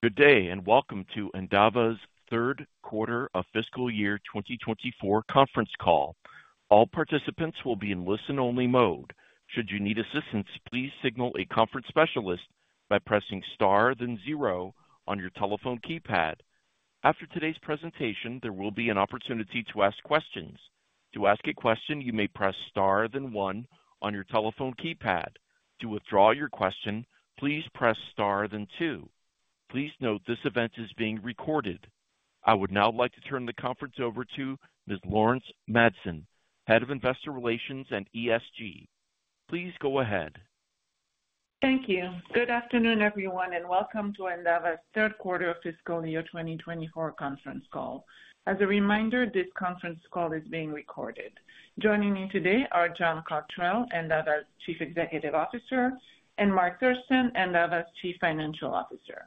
Good day, and welcome to Endava's third quarter of fiscal year 2024 Conference Call. All participants will be in listen-only mode. Should you need assistance, please signal a conference specialist by pressing Star, then zero on your telephone keypad. After today's presentation, there will be an opportunity to ask questions. To ask a question, you may press Star, then one on your telephone keypad. To withdraw your question, please press Star, then two. Please note, this event is being recorded. I would now like to turn the conference over to Ms. Laurence Madsen, Head of Investor Relations and ESG. Please go ahead. Thank you. Good afternoon, everyone, and welcome to Endava's third quarter of fiscal year 2024 conference call. As a reminder, this conference call is being recorded. Joining me today are John Cotterell, Endava's Chief Executive Officer, and Mark Thurston, Endava's Chief Financial Officer.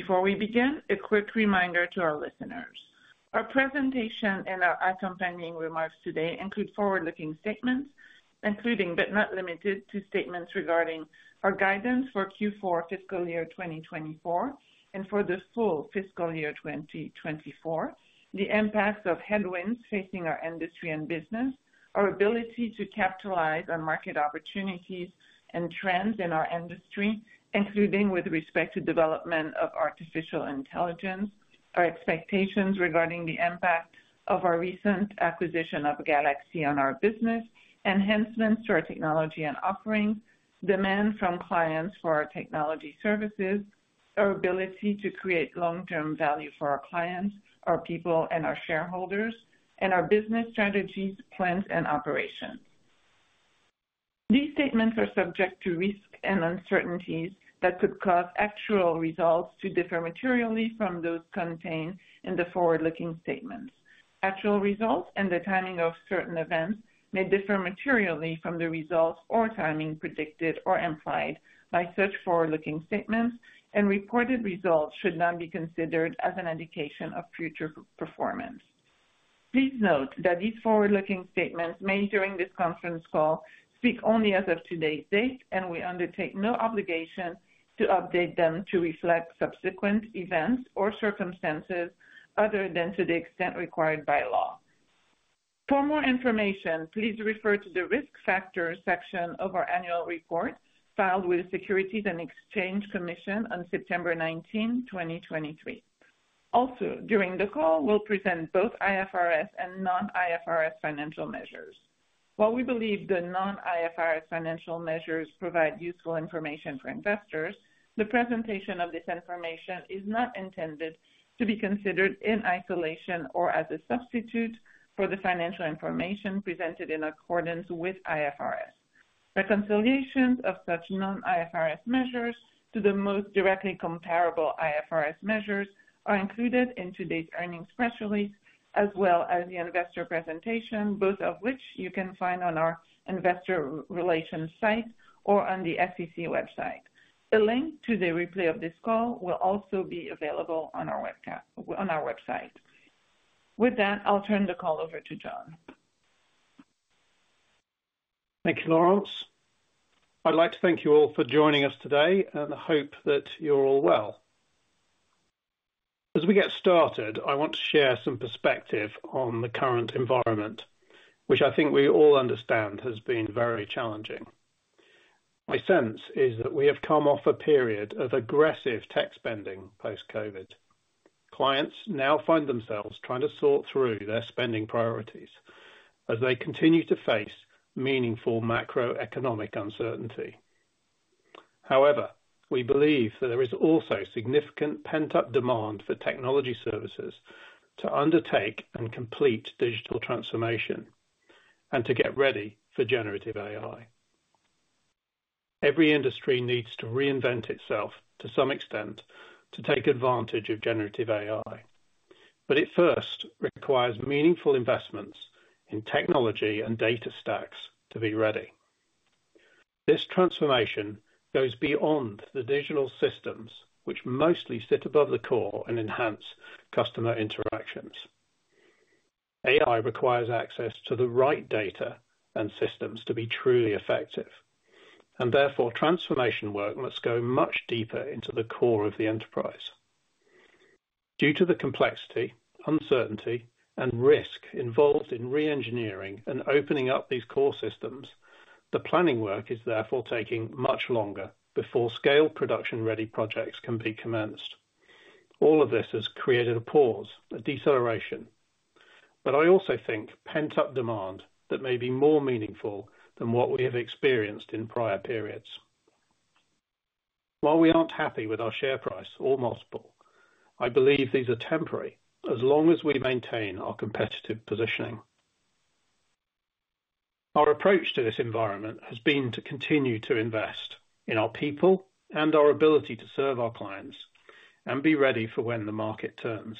Before we begin, a quick reminder to our listeners. Our presentation and our accompanying remarks today include forward-looking statements, including but not limited to statements regarding our guidance for Q4 fiscal year 2024, and for the full fiscal year 2024, the impacts of headwinds facing our industry and business, our ability to capitalize on market opportunities and trends in our industry, including with respect to development of artificial intelligence, our expectations regarding the impact of our recent acquisition of Galax on our business, enhancements to our technology and offerings, demand from clients for our technology services, our ability to create long-term value for our clients, our people, and our shareholders, and our business strategies, plans, and operations. These statements are subject to risks and uncertainties that could cause actual results to differ materially from those contained in the forward-looking statements. Actual results and the timing of certain events may differ materially from the results or timing predicted or implied by such forward-looking statements, and reported results should not be considered as an indication of future performance. Please note that these forward-looking statements made during this conference call speak only as of today's date, and we undertake no obligation to update them to reflect subsequent events or circumstances other than to the extent required by law. For more information, please refer to the Risk Factors section of our annual report, filed with Securities and Exchange Commission on September 19, 2023. Also, during the call, we'll present both IFRS and non-IFRS financial measures. While we believe the non-IFRS financial measures provide useful information for investors, the presentation of this information is not intended to be considered in isolation or as a substitute for the financial information presented in accordance with IFRS. Reconciliation of such non-IFRS measures to the most directly comparable IFRS measures are included in today's earnings press release, as well as the investor presentation, both of which you can find on our investor relations site or on the SEC website. A link to the replay of this call will also be available on our website. With that, I'll turn the call over to John. Thank you, Laurence. I'd like to thank you all for joining us today, and I hope that you're all well. As we get started, I want to share some perspective on the current environment, which I think we all understand has been very challenging. My sense is that we have come off a period of aggressive tech spending post-COVID. Clients now find themselves trying to sort through their spending priorities as they continue to face meaningful macroeconomic uncertainty. However, we believe that there is also significant pent-up demand for technology services to undertake and complete digital transformation and to get ready for generative AI. Every industry needs to reinvent itself to some extent to take advantage of generative AI, but it first requires meaningful investments in technology and data stacks to be ready. This transformation goes beyond the digital systems, which mostly sit above the core and enhance customer interactions. AI requires access to the right data and systems to be truly effective, and therefore, transformation work must go much deeper into the core of the enterprise. Due to the complexity, uncertainty, and risk involved in reengineering and opening up these core systems, the planning work is therefore taking much longer before scale production-ready projects can be commenced. All of this has created a pause, a deceleration, but I also think pent-up demand that may be more meaningful than what we have experienced in prior periods. While we aren't happy with our share price or multiple, I believe these are temporary as long as we maintain our competitive positioning. Our approach to this environment has been to continue to invest in our people and our ability to serve our clients and be ready for when the market turns.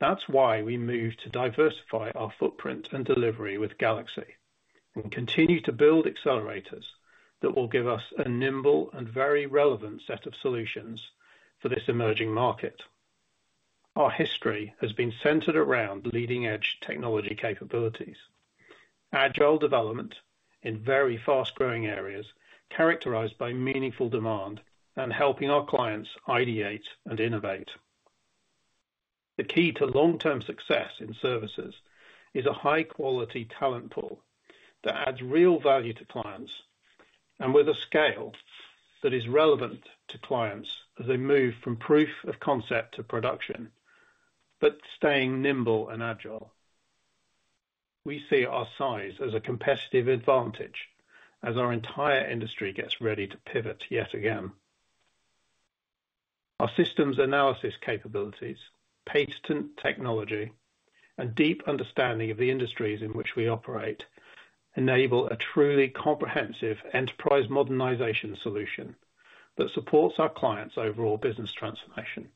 That's why we moved to diversify our footprint and delivery with GalaxE.Solutions and continue to build accelerators that will give us a nimble and very relevant set of solutions for this emerging market. Our history has been centered around leading-edge technology capabilities, agile development in very fast-growing areas, characterized by meaningful demand and helping our clients ideate and innovate. The key to long-term success in services is a high-quality talent pool that adds real value to clients, and with a scale that is relevant to clients as they move from proof of concept to production, but staying nimble and agile. We see our size as a competitive advantage as our entire industry gets ready to pivot yet again. Our systems analysis capabilities, patent technology, and deep understanding of the industries in which we operate, enable a truly comprehensive enterprise modernization solution that supports our clients' overall business transformation,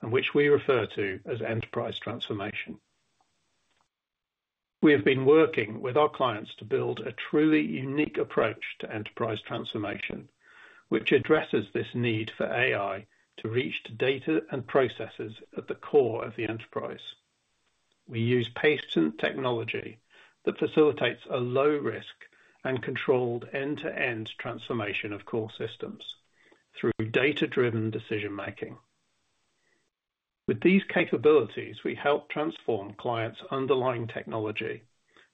and which we refer to as Enterprise transformation. We have been working with our clients to build a truly unique approach to Enterprise transformation, which addresses this need for AI to reach the data and processes at the core of the enterprise. We use patent technology that facilitates a low risk and controlled end-to-end transformation of core systems through data-driven decision-making. With these capabilities, we help transform clients' underlying technology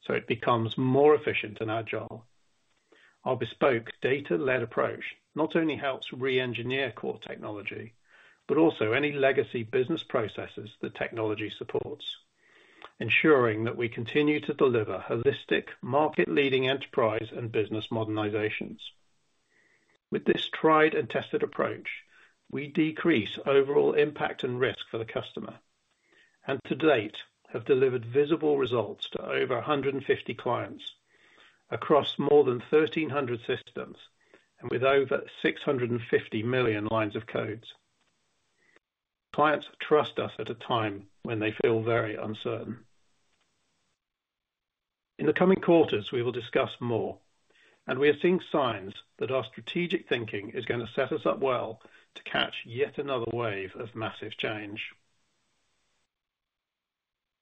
so it becomes more efficient and agile. Our bespoke data-led approach not only helps re-engineer core technology, but also any legacy business processes the technology supports, ensuring that we continue to deliver holistic, market-leading enterprise and business modernizations. With this tried and tested approach, we decrease overall impact and risk for the customer, and to date, have delivered visible results to over 150 clients across more than 1,300 systems, and with over 650 million lines of code. Clients trust us at a time when they feel very uncertain. In the coming quarters, we will discuss more, and we are seeing signs that our strategic thinking is gonna set us up well to catch yet another wave of massive change.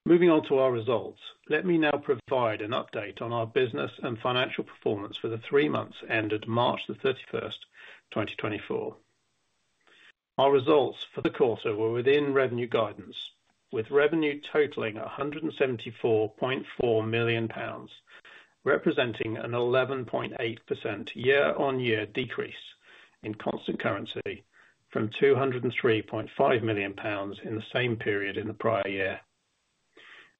Moving on to our results, let me now provide an update on our business and financial performance for the three months ended March 31, 2024. Our results for the quarter were within revenue guidance, with revenue totaling 174.4 million pounds, representing an 11.8% year-on-year decrease in constant currency from 203.5 million pounds in the same period in the prior year.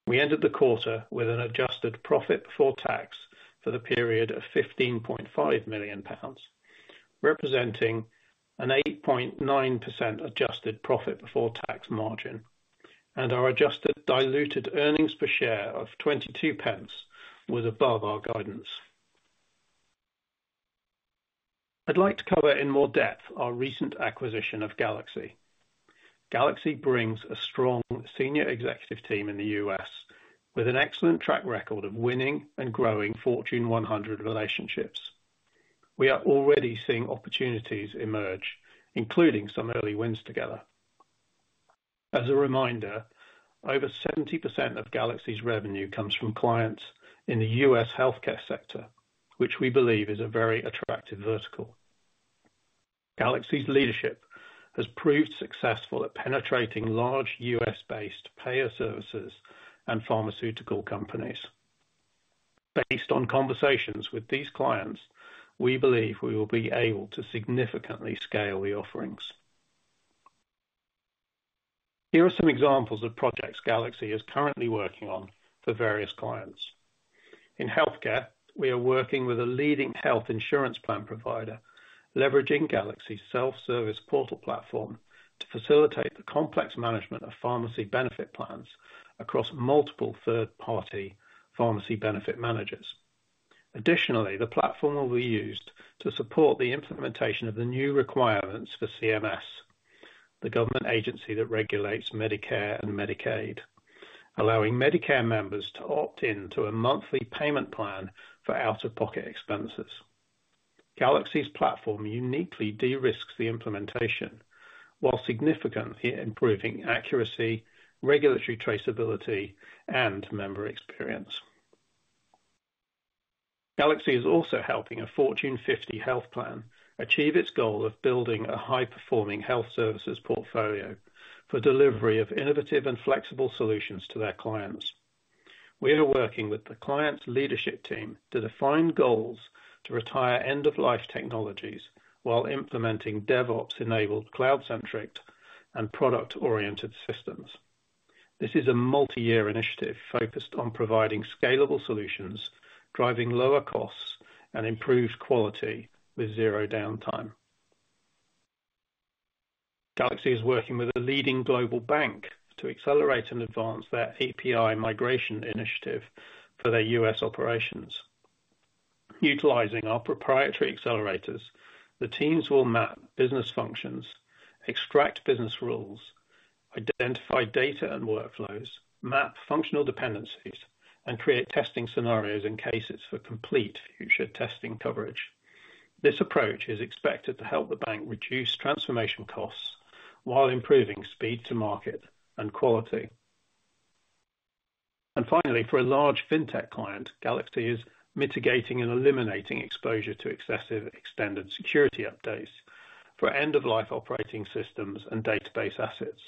We ended the quarter with an adjusted profit before tax for the period of 15.5 million pounds, representing an 8.9% adjusted profit before tax margin, and our adjusted diluted earnings per share of 22 pence was above our guidance. I'd like to cover in more depth our recent acquisition of GalaxE.Solutions. GalaxE.Solutions brings a strong senior executive team in the U.S. with an excellent track record of winning and growing Fortune 100 relationships. We are already seeing opportunities emerge, including some early wins together. As a reminder, over 70% of GalaxE.Solutions's revenue comes from clients in the U.S. healthcare sector, which we believe is a very attractive vertical. GalaxE.Solutions's leadership has proved successful at penetrating large U.S.-based payer services and pharmaceutical companies. Based on conversations with these clients, we believe we will be able to significantly scale the offerings. Here are some examples of projects GalaxE.Solutions is currently working on for various clients. In healthcare, we are working with a leading health insurance plan provider, leveraging GalaxE.Solutions's self-service portal platform to facilitate the complex management of pharmacy benefit plans across multiple third-party pharmacy benefit managers. Additionally, the platform will be used to support the implementation of the new requirements for CMS, the government agency that regulates Medicare and Medicaid, allowing Medicare members to opt in to a monthly payment plan for out-of-pocket expenses. GalaxE.Solutions's platform uniquely de-risks the implementation, while significantly improving accuracy, regulatory traceability, and member experience. GalaxE.Solutions is also helping a Fortune 50 health plan achieve its goal of building a high-performing health services portfolio for delivery of innovative and flexible solutions to their clients. We are working with the client's leadership team to define goals to retire end-of-life technologies while implementing DevOps-enabled, cloud-centric, and product-oriented systems. This is a multi-year initiative focused on providing scalable solutions, driving lower costs, and improved quality with zero downtime. GalaxE.Solutions is working with a leading global bank to accelerate and advance their API migration initiative for their U.S. operations. Utilizing our proprietary accelerators, the teams will map business functions, extract business rules, identify data and workflows, map functional dependencies, and create testing scenarios and cases for complete future testing coverage.... This approach is expected to help the bank reduce transformation costs while improving speed to market and quality. Finally, for a large fintech client, Galaxy is mitigating and eliminating exposure to excessive extended security updates for end-of-life operating systems and database assets.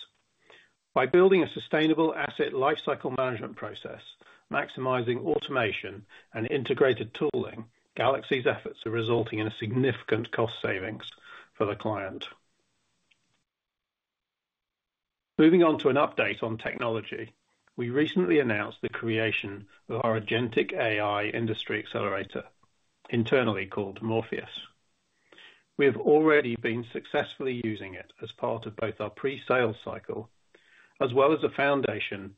By building a sustainable asset lifecycle management process, maximizing automation and integrated tooling, GalaxE's efforts are resulting in a significant cost savings for the client. Moving on to an update on technology, we recently announced the creation of our agentic AI industry accelerator, internally called Morpheus. We have already been successfully using it as part of both our pre-sale cycle, as well as a foundation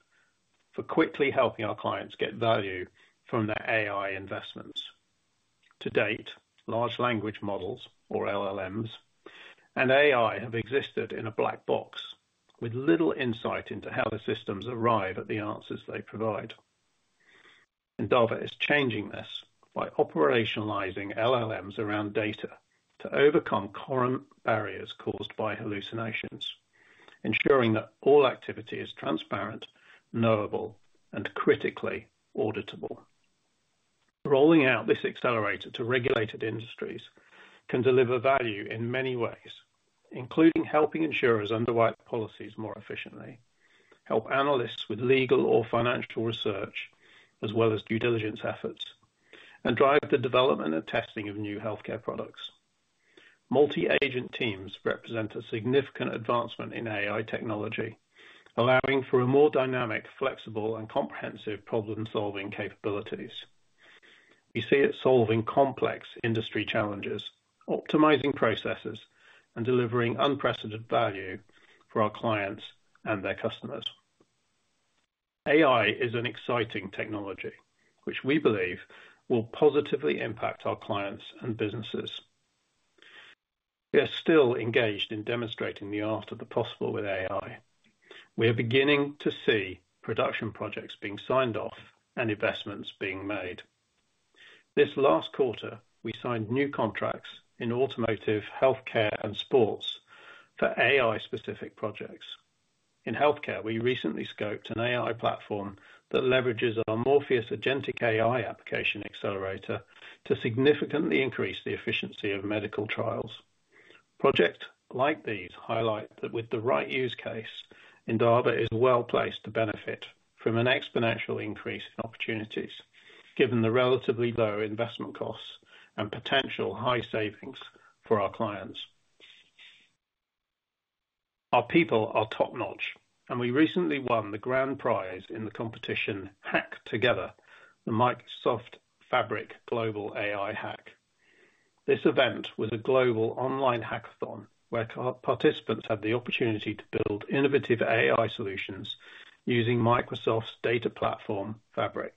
for quickly helping our clients get value from their AI investments. To date, large language models, or LLMs, and AI have existed in a black box, with little insight into how the systems arrive at the answers they provide. Endava is changing this by operationalizing LLMs around data to overcome current barriers caused by hallucinations, ensuring that all activity is transparent, knowable, and critically auditable. Rolling out this accelerator to regulated industries can deliver value in many ways, including helping insurers underwrite policies more efficiently, help analysts with legal or financial research, as well as due diligence efforts, and drive the development and testing of new healthcare products. Multi-agent teams represent a significant advancement in AI technology, allowing for a more dynamic, flexible, and comprehensive problem-solving capabilities. We see it solving complex industry challenges, optimizing processes, and delivering unprecedented value for our clients and their customers. AI is an exciting technology which we believe will positively impact our clients and businesses. We are still engaged in demonstrating the art of the possible with AI. We are beginning to see production projects being signed off and investments being made. This last quarter, we signed new contracts in automotive, healthcare, and sports for AI-specific projects. In healthcare, we recently scoped an AI platform that leverages our Morpheus agentic AI application accelerator to significantly increase the efficiency of medical trials. Projects like these highlight that with the right use case, Endava is well-placed to benefit from an exponential increase in opportunities, given the relatively low investment costs and potential high savings for our clients. Our people are top-notch, and we recently won the grand prize in the competition Hack Together, the Microsoft Fabric Global AI Hack. This event was a global online hackathon, where participants had the opportunity to build innovative AI solutions using Microsoft's data platform, Fabric.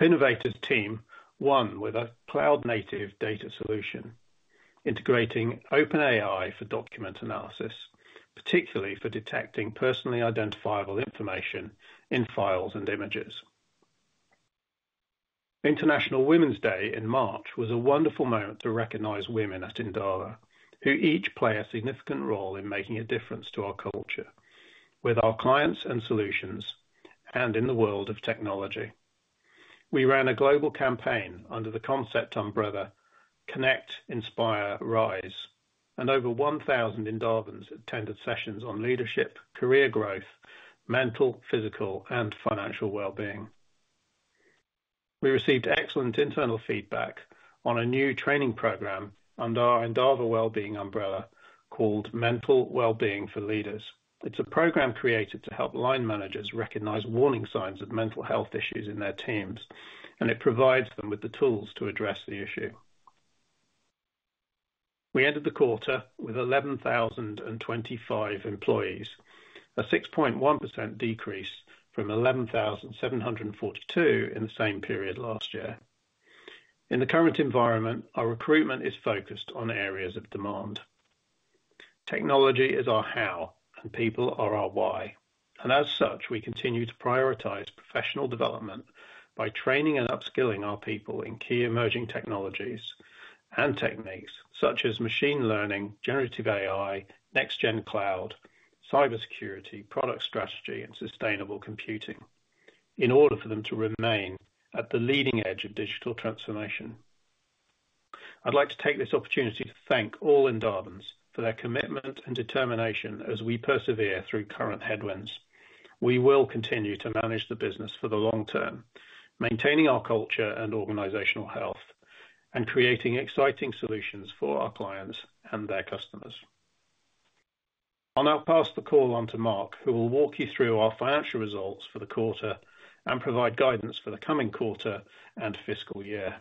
Innovators team won with a cloud-native data solution, integrating OpenAI for document analysis, particularly for detecting personally identifiable information in files and images. International Women's Day in March was a wonderful moment to recognize women at Endava, who each play a significant role in making a difference to our culture, with our clients and solutions, and in the world of technology. We ran a global campaign under the concept umbrella, Connect, Inspire, Rise, and over 1,000 Endavans attended sessions on leadership, career growth, mental, physical, and financial well-being. We received excellent internal feedback on a new training program under our Endava Wellbeing umbrella called Mental Wellbeing for Leaders. It's a program created to help line managers recognize warning signs of mental health issues in their teams, and it provides them with the tools to address the issue. We ended the quarter with 11,025 employees, a 6.1% decrease from 11,742 in the same period last year. In the current environment, our recruitment is focused on areas of demand. Technology is our how, and people are our why, and as such, we continue to prioritize professional development by training and upskilling our people in key emerging technologies and techniques such as machine learning, generative AI, Next gen cloud, cybersecurity, product strategy, and sustainable computing, in order for them to remain at the leading edge of digital transformation. I'd like to take this opportunity to thank all Endavans for their commitment and determination as we persevere through current headwinds. We will continue to manage the business for the long term, maintaining our culture and organizational health and creating exciting solutions for our clients and their customers. I'll now pass the call on to Mark, who will walk you through our financial results for the quarter and provide guidance for the coming quarter and fiscal year.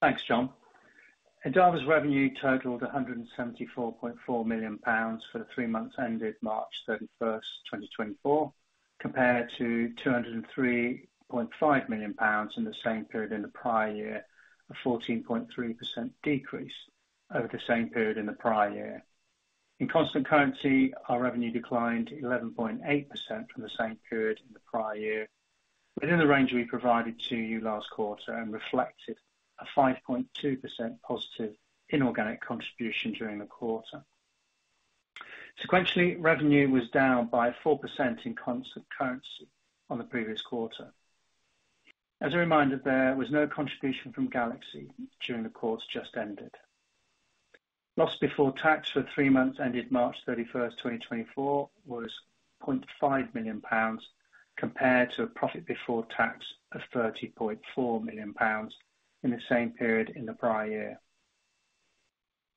Thanks, John. Endava's revenue totaled 174.4 million pounds for the three months ended March thirty-first, 2024, compared to 203.5 million pounds in the same period in the prior year, a 14.3% decrease over the same period in the prior year. In constant currency, our revenue declined 11.8% from the same period in the prior year, within the range we provided to you last quarter, and reflected a 5.2% positive inorganic contribution during the quarter. Sequentially, revenue was down by 4% in constant currency on the previous quarter. As a reminder, there was no contribution from Galaxy during the course just ended. Loss before tax for the three months ended March 31, 2024, was 0.5 million pounds, compared to a profit before tax of 30.4 million pounds in the same period in the prior year.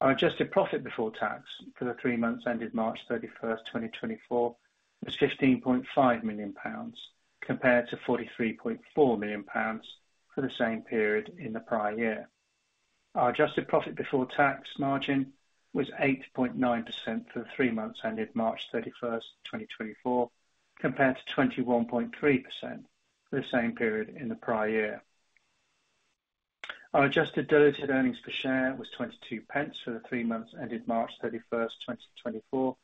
Our adjusted profit before tax for the three months ended March 31, 2024, was 15.5 million pounds, compared to 43.4 million pounds for the same period in the prior year. Our adjusted profit before tax margin was 8.9% for the three months ended March 31, 2024, compared to 21.3% for the same period in the prior year. Our adjusted diluted earnings per share was 0.22 for the three months ended March 31st, 2024,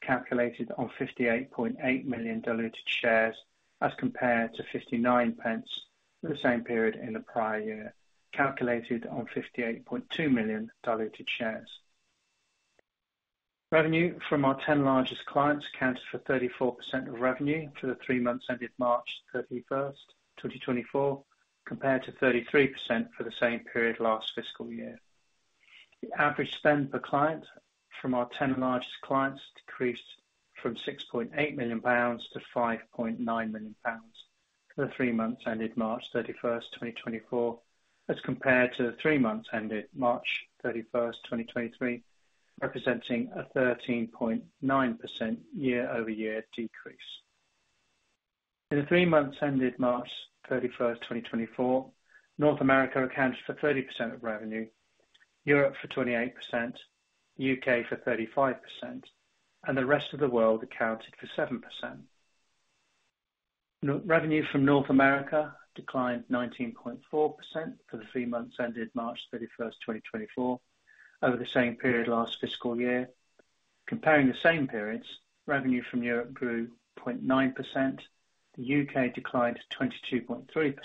calculated on 58.8 million diluted shares, as compared to 0.59 for the same period in the prior year, calculated on 58.2 million diluted shares. Revenue from our ten largest clients accounted for 34% of revenue for the three months ended March 31st, 2024, compared to 33% for the same period last fiscal year. The average spend per client from our ten largest clients decreased from 6.8 million pounds to 5.9 million pounds for the three months ended March 31st, 2024, as compared to the three months ended March 31st, 2023, representing a 13.9% year-over-year decrease. In the three months ended March 31, 2024, North America accounted for 30% of revenue, Europe for 28%, UK for 35%, and the rest of the world accounted for 7%. Revenue from North America declined 19.4% for the three months ended March 31, 2024, over the same period last fiscal year. Comparing the same periods, revenue from Europe grew 0.9%, the UK declined 22.3%,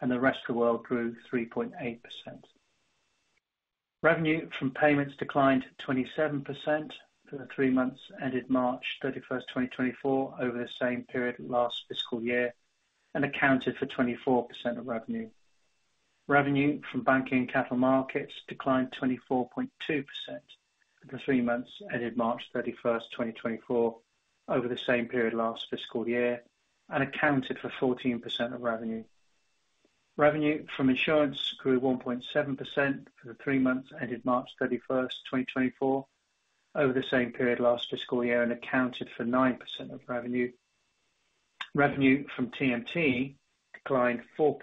and the rest of the world grew 3.8%. Revenue from payments declined 27% for the three months ended March 31, 2024, over the same period last fiscal year and accounted for 24% of revenue. Revenue from banking and capital markets declined 24.2% for the three months ended March 31, 2024, over the same period last fiscal year, and accounted for 14% of revenue. Revenue from insurance grew 1.7% for the three months ended March 31, 2024, over the same period last fiscal year and accounted for 9% of revenue. Revenue from TMT declined 4%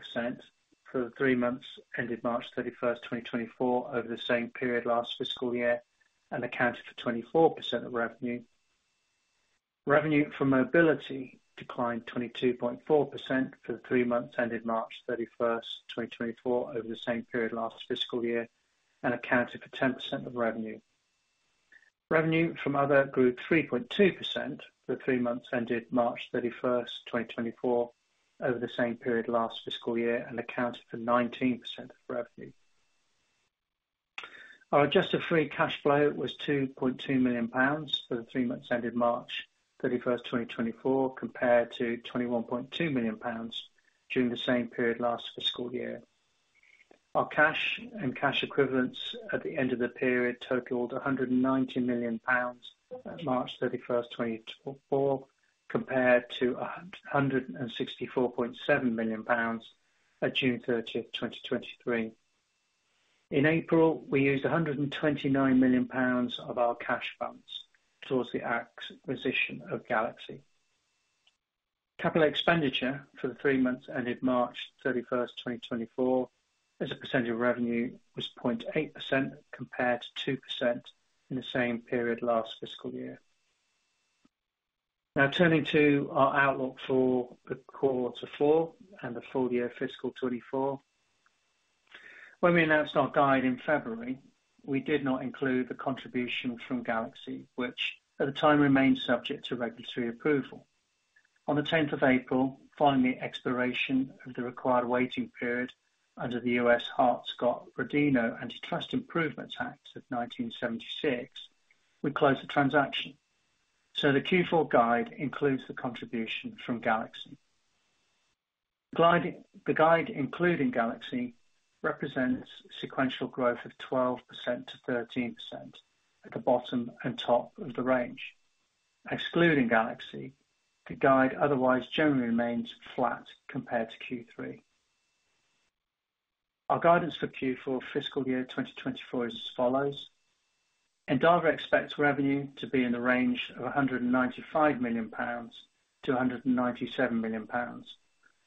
for the three months ended March 31, 2024, over the same period last fiscal year and accounted for 24% of revenue. Revenue from mobility declined 22.4% for the three months ended March 31, 2024, over the same period last fiscal year, and accounted for 10% of revenue. Revenue from other grew 3.2% for the three months ended March 31, 2024, over the same period last fiscal year and accounted for 19% of revenue. Our adjusted free cash flow was 2.2 million pounds for the three months ended March 31, 2024, compared to 21.2 million pounds during the same period last fiscal year. Our cash and cash equivalents at the end of the period totaled 190 million pounds at March 31, 2024, compared to 164.7 million pounds at June 30, 2023. In April, we used 129 million pounds of our cash funds towards the acquisition of GalaxE.Solutions. Capital expenditure for the three months ended March 31st, 2024, as a percentage of revenue, was 0.8%, compared to 2% in the same period last fiscal year. Now, turning to our outlook for the quarter four and the full year fiscal 2024. When we announced our guide in February, we did not include the contribution from GalaxE.Solutions, which at the time remained subject to regulatory approval. On the 10th of April, following the expiration of the required waiting period under the U.S. Hart-Scott-Rodino Antitrust Improvements Act of 1976, we closed the transaction. So the Q4 guide includes the contribution from GalaxE.Solutions. The guide, including GalaxE.Solutions, represents sequential growth of 12%-13% at the bottom and top of the range. Excluding GalaxE.Solutions, the guide otherwise generally remains flat compared to Q3. Our guidance for Q4 fiscal year 2024 is as follows: Endava expects revenue to be in the range of 195 million-197 million pounds,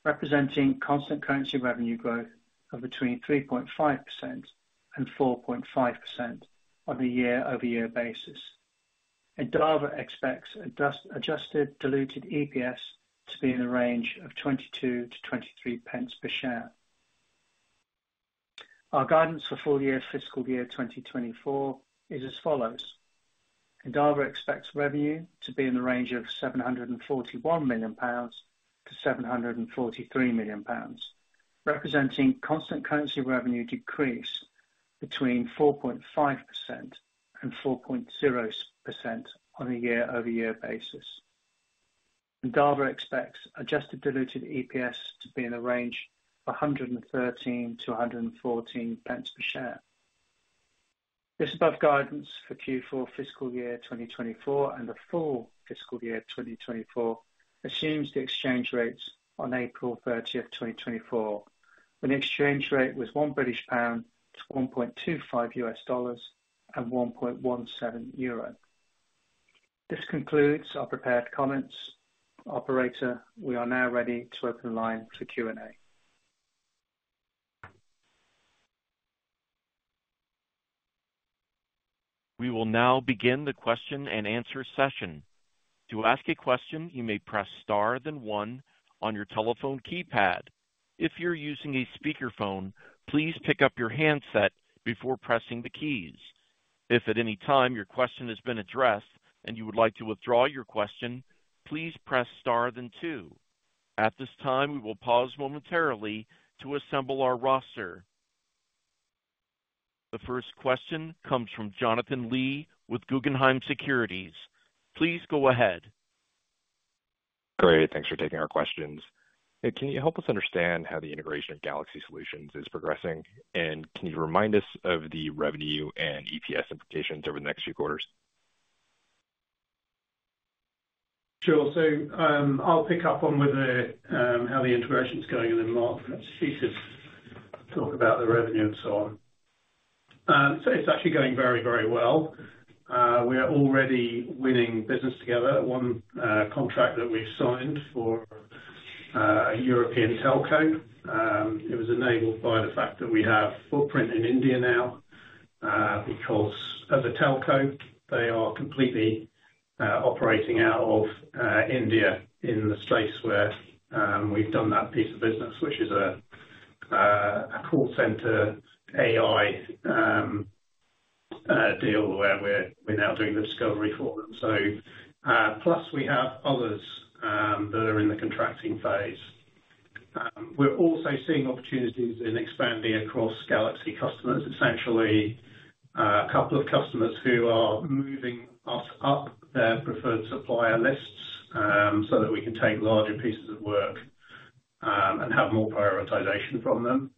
representing constant currency revenue growth of between 3.5% and 4.5% on a year-over-year basis. Endava expects adjusted diluted EPS to be in the range of 22-23 pence per share. ...Our guidance for full year fiscal year 2024 is as follows: Endava expects revenue to be in the range of 741 million-743 million pounds, representing constant currency revenue decrease between 4.5% and 4.0% on a year-over-year basis. Endava expects adjusted diluted EPS to be in the range of 113-114 pence per share. This above guidance for Q4 fiscal year 2024 and the full fiscal year 2024 assumes the exchange rates on April 30, 2024, when the exchange rate was 1 British pound to 1.25 U.S. dollars and 1.17 euro. This concludes our prepared comments. Operator, we are now ready to open the line to Q&A. We will now begin the question-and-answer session. To ask a question, you may press star then one on your telephone keypad. If you're using a speakerphone, please pick up your handset before pressing the keys. If at any time your question has been addressed and you would like to withdraw your question, please press star then two. At this time, we will pause momentarily to assemble our roster. The first question comes from Jonathan Lee with Guggenheim Securities. Please go ahead. Great, thanks for taking our questions. Can you help us understand how the integration of GalaxE.Solutions is progressing? And can you remind us of the revenue and EPS implications over the next few quarters? Sure. So, I'll pick up on where the, how the integration is going, and then Mark, perhaps he should talk about the revenue and so on. So it's actually going very, very well. We are already winning business together. One contract that we've signed for a European telco, it was enabled by the fact that we have footprint in India now, because of the telco, they are completely operating out of India in the space where we've done that piece of business, which is a call center AI deal, where we're now doing the discovery for them. So, plus we have others that are in the contracting phase. We're also seeing opportunities in expanding across Galaxy customers, essentially, a couple of customers who are moving us up their preferred supplier lists, so that we can take larger pieces of work, and have more prioritization from them.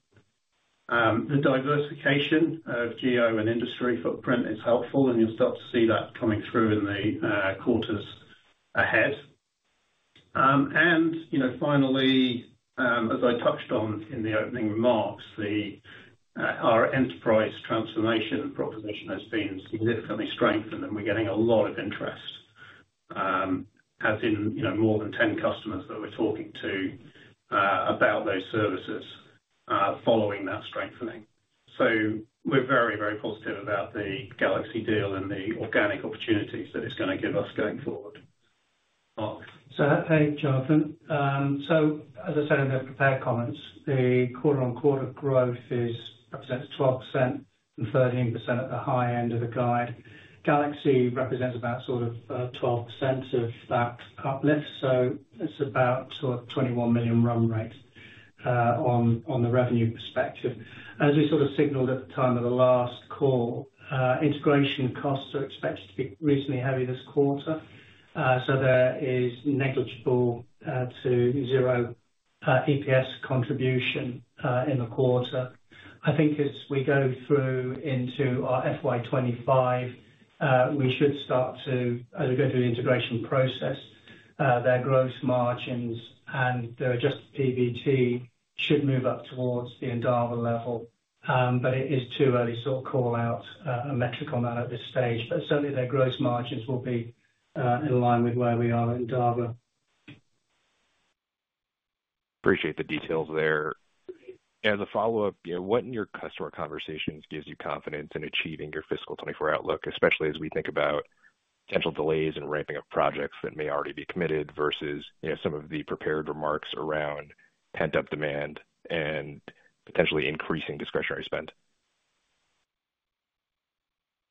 The diversification of geo and industry footprint is helpful, and you'll start to see that coming through in the quarters ahead. And you know, finally, as I touched on in the opening remarks, our enterprise transformation proposition has been significantly strengthened, and we're getting a lot of interest. Have been, you know, more than 10 customers that we're talking to about those services, following that strengthening. So we're very, very positive about the Galaxy deal and the organic opportunities that it's gonna give us going forward. Mark? So hey, Jonathan. So as I said in the prepared comments, the quarter-on-quarter growth is up to 12% and 13% at the high end of the guide. GalaxE.Solutions represents about sort of 12% of that uplift, so it's about sort of 21 million run rate on the revenue perspective. As we sort of signaled at the time of the last call, integration costs are expected to be reasonably heavy this quarter. So there is negligible to zero EPS contribution in the quarter. I think as we go through into our FY 2025, we should start to, as we go through the integration process, their gross margins and their adjusted PBT should move up towards the Endava level. But it is too early to sort of call out a metric on that at this stage. But certainly, their gross margins will be in line with where we are at Endava. Appreciate the details there. As a follow-up, yeah, what in your customer conversations gives you confidence in achieving your fiscal 2024 outlook, especially as we think about potential delays in ramping up projects that may already be committed versus, you know, some of the prepared remarks around pent-up demand and potentially increasing discretionary spend?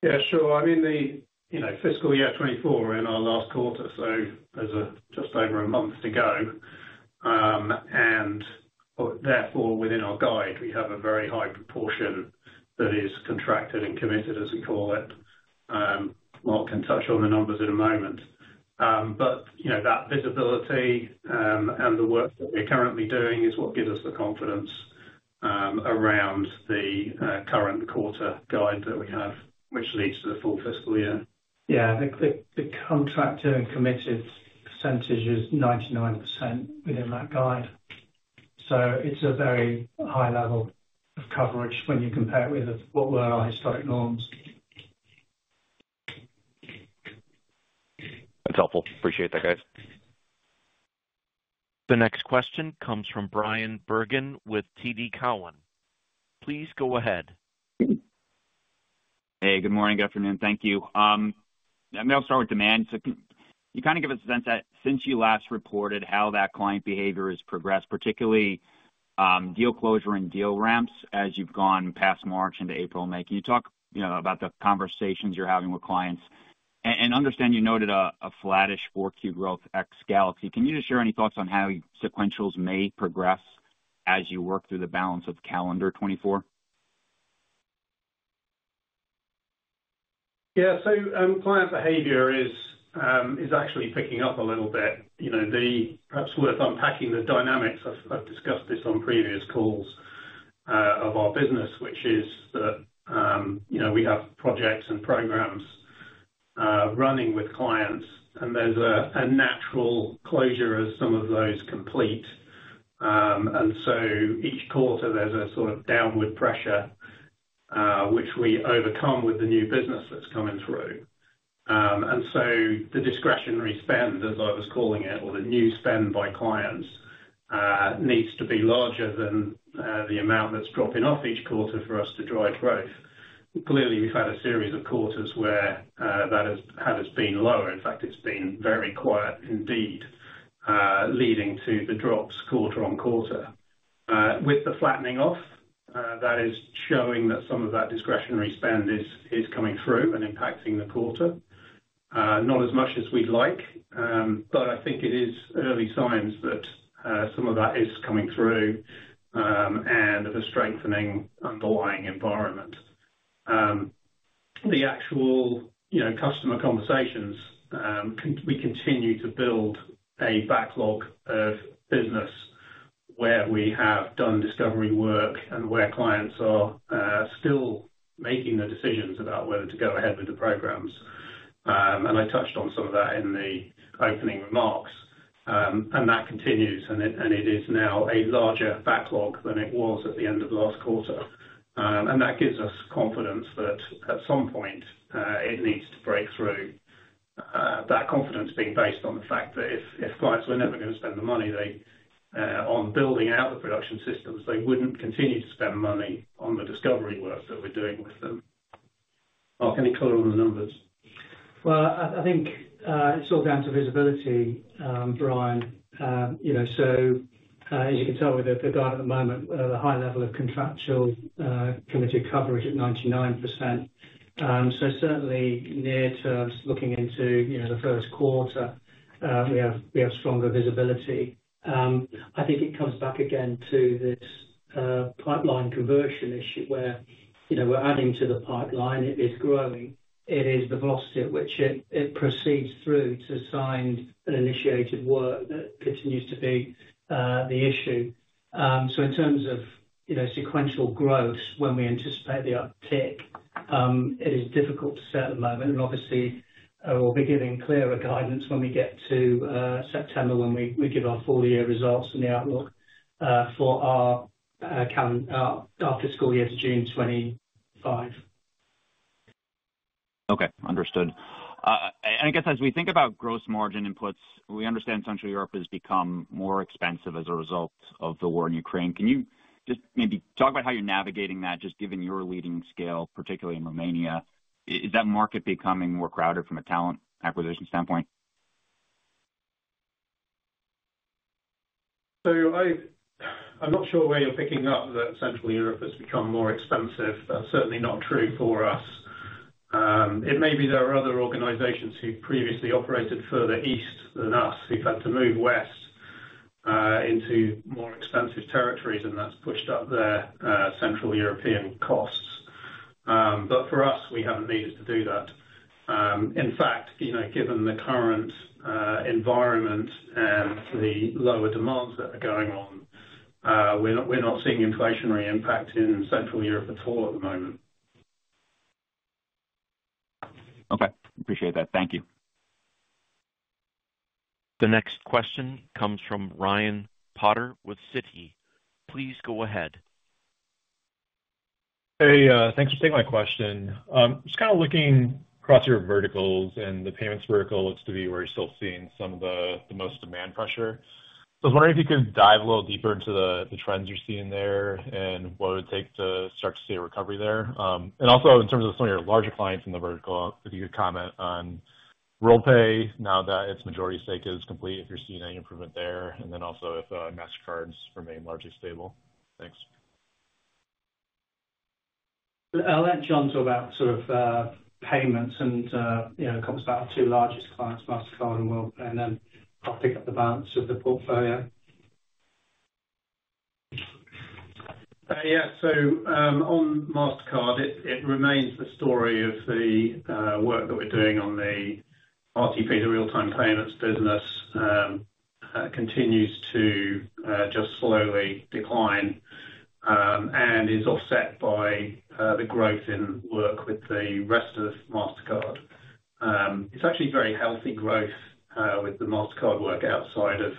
Yeah, sure. I mean, the you know, fiscal year 2024, we're in our last quarter, so there's just over a month to go. And therefore, within our guide, we have a very high proportion that is contracted and committed, as we call it. Mark can touch on the numbers in a moment. But you know, that visibility, and the work that we're currently doing is what gives us the confidence around the current quarter guide that we have, which leads to the full fiscal year. Yeah. The contractor and committed percentage is 99% within that guide. So it's a very high level of coverage when you compare it with what were our historic norms. That's helpful. Appreciate that, guys. The next question comes from Bryan Bergin with TD Cowen. Please go ahead.... Hey, good morning, good afternoon. Thank you. Maybe I'll start with demand. So can you kind of give a sense that since you last reported, how that client behavior has progressed, particularly deal closure and deal ramps, as you've gone past March into April and May? Can you talk, you know, about the conversations you're having with clients? And understand you noted a flattish Q4 growth ex Galaxy. Can you just share any thoughts on how sequentials may progress, as you work through the balance of calendar 2024? Yeah, so, client behavior is actually picking up a little bit. You know, perhaps worth unpacking the dynamics. I've discussed this on previous calls of our business, which is that, you know, we have projects and programs running with clients, and there's a natural closure as some of those complete. And so each quarter, there's a sort of downward pressure, which we overcome with the new business that's coming through. And so the discretionary spend, as I was calling it, or the new spend by clients, needs to be larger than the amount that's dropping off each quarter for us to drive growth. Clearly, we've had a series of quarters where that has been lower. In fact, it's been very quiet indeed, leading to the drops quarter on quarter. With the flattening off, that is showing that some of that discretionary spend is coming through and impacting the quarter. Not as much as we'd like, but I think it is early signs that some of that is coming through, and of a strengthening underlying environment. The actual, you know, customer conversations, we continue to build a backlog of business where we have done discovery work and where clients are still making the decisions about whether to go ahead with the programs. And I touched on some of that in the opening remarks, and that continues, and it is now a larger backlog than it was at the end of last quarter. And that gives us confidence that at some point, it needs to break through. That confidence being based on the fact that if clients were never going to spend the money they on building out the production systems, they wouldn't continue to spend money on the discovery work that we're doing with them. Mark, any color on the numbers? Well, I think it's all down to visibility, Brian. You know, so as you can tell with the guide at the moment, we're at a high level of contractual committed coverage at 99%. So certainly near term, looking into you know, the first quarter, we have stronger visibility. I think it comes back again to this pipeline conversion issue, where you know, we're adding to the pipeline, it is growing. It is the velocity at which it proceeds through to signed and initiated work that continues to be the issue. So, in terms of, you know, sequential growth, when we anticipate the uptick, it is difficult to say at the moment, and obviously, we'll be giving clearer guidance when we get to September, when we, we give our full year results and the outlook for our fiscal year to June 2025. Okay, understood. And I guess as we think about gross margin inputs, we understand Central Europe has become more expensive as a result of the war in Ukraine. Can you just maybe talk about how you're navigating that, just given your leading scale, particularly in Romania? Is that market becoming more crowded from a talent acquisition standpoint? I'm not sure where you're picking up that Central Europe has become more expensive. That's certainly not true for us. It may be there are other organizations who previously operated further east than us, who've had to move west into more expensive territories, and that's pushed up their Central European costs. But for us, we haven't needed to do that. In fact, you know, given the current environment and the lower demands that are going on, we're not seeing inflationary impact in Central Europe at all at the moment. Okay, appreciate that. Thank you. The next question comes from Ryan Potter with Citi. Please go ahead. Hey, thanks for taking my question. Just kind of looking across your verticals, and the payments vertical looks to be where you're still seeing some of the most demand pressure. So I was wondering if you could dive a little deeper into the trends you're seeing there, and what it would take to start to see a recovery there? And also in terms of some of your larger clients in the vertical, if you could comment on Worldpay, now that its majority stake is complete, if you're seeing any improvement there, and then also if Mastercard's remained largely stable? Thanks. I'll let John talk about sort of, payments and, you know, talk about our two largest clients, Mastercard and Worldpay, and then I'll pick up the balance of the portfolio. Yeah. So, on Mastercard, it remains the story of the work that we're doing on the RTP, the real-time payments business, continues to just slowly decline, and is offset by the growth in work with the rest of Mastercard. It's actually very healthy growth with the Mastercard work outside of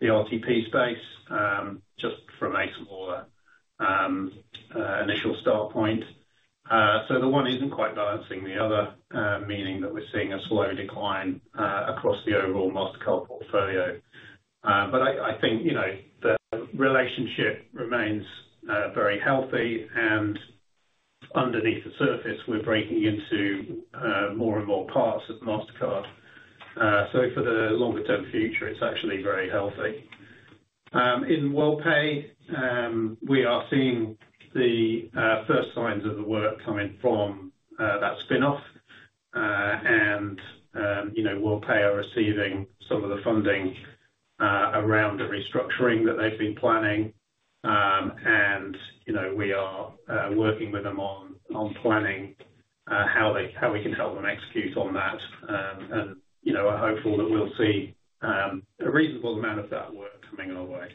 the RTP space, just from a smaller initial start point. So the one isn't quite balancing the other, meaning that we're seeing a slow decline across the overall Mastercard portfolio. But I think, you know, the relationship remains very healthy, and underneath the surface, we're breaking into more and more parts of Mastercard. So for the longer term future, it's actually very healthy. In Worldpay, we are seeing the first signs of the work coming from that spinoff. You know, Worldpay are receiving some of the funding around the restructuring that they've been planning. You know, we are working with them on planning how we can help them execute on that. You know, are hopeful that we'll see a reasonable amount of that work coming our way.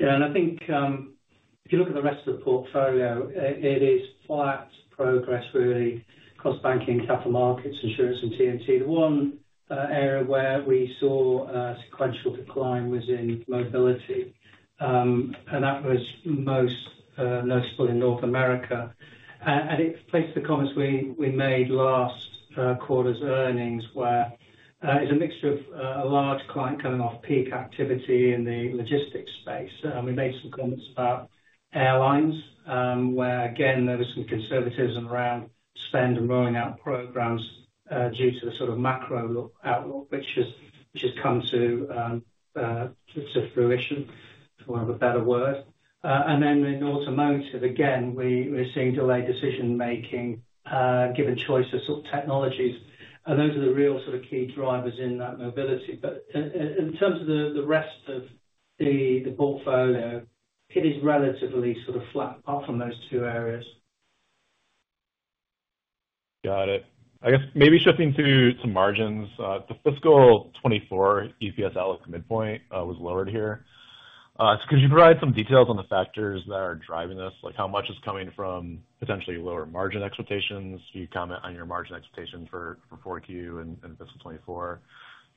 Yeah, and I think, if you look at the rest of the portfolio, it is flat progress, really, across banking, capital markets, insurance and TMT. The one area where we saw a sequential decline was in mobility, and that was most noticeable in North America. And it reflects the comments we made last quarter's earnings, where it's a mixture of a large client coming off peak activity in the logistics space. We made some comments about airlines, where again, there was some conservatism around spend and rolling out programs, due to the sort of macro outlook, which has come to fruition, for want of a better word. And then in automotive, again, we're seeing delayed decision making, given choice of sort of technologies. Those are the real sort of key drivers in that mobility. In terms of the rest of the portfolio, it is relatively sort of flat, apart from those two areas. Got it. I guess, maybe shifting to some margins. The fiscal 2024 EPS outlook midpoint was lowered here. So could you provide some details on the factors that are driving this? Like, how much is coming from potentially lower margin expectations? Can you comment on your margin expectations for, for 4Q and, and fiscal 2024,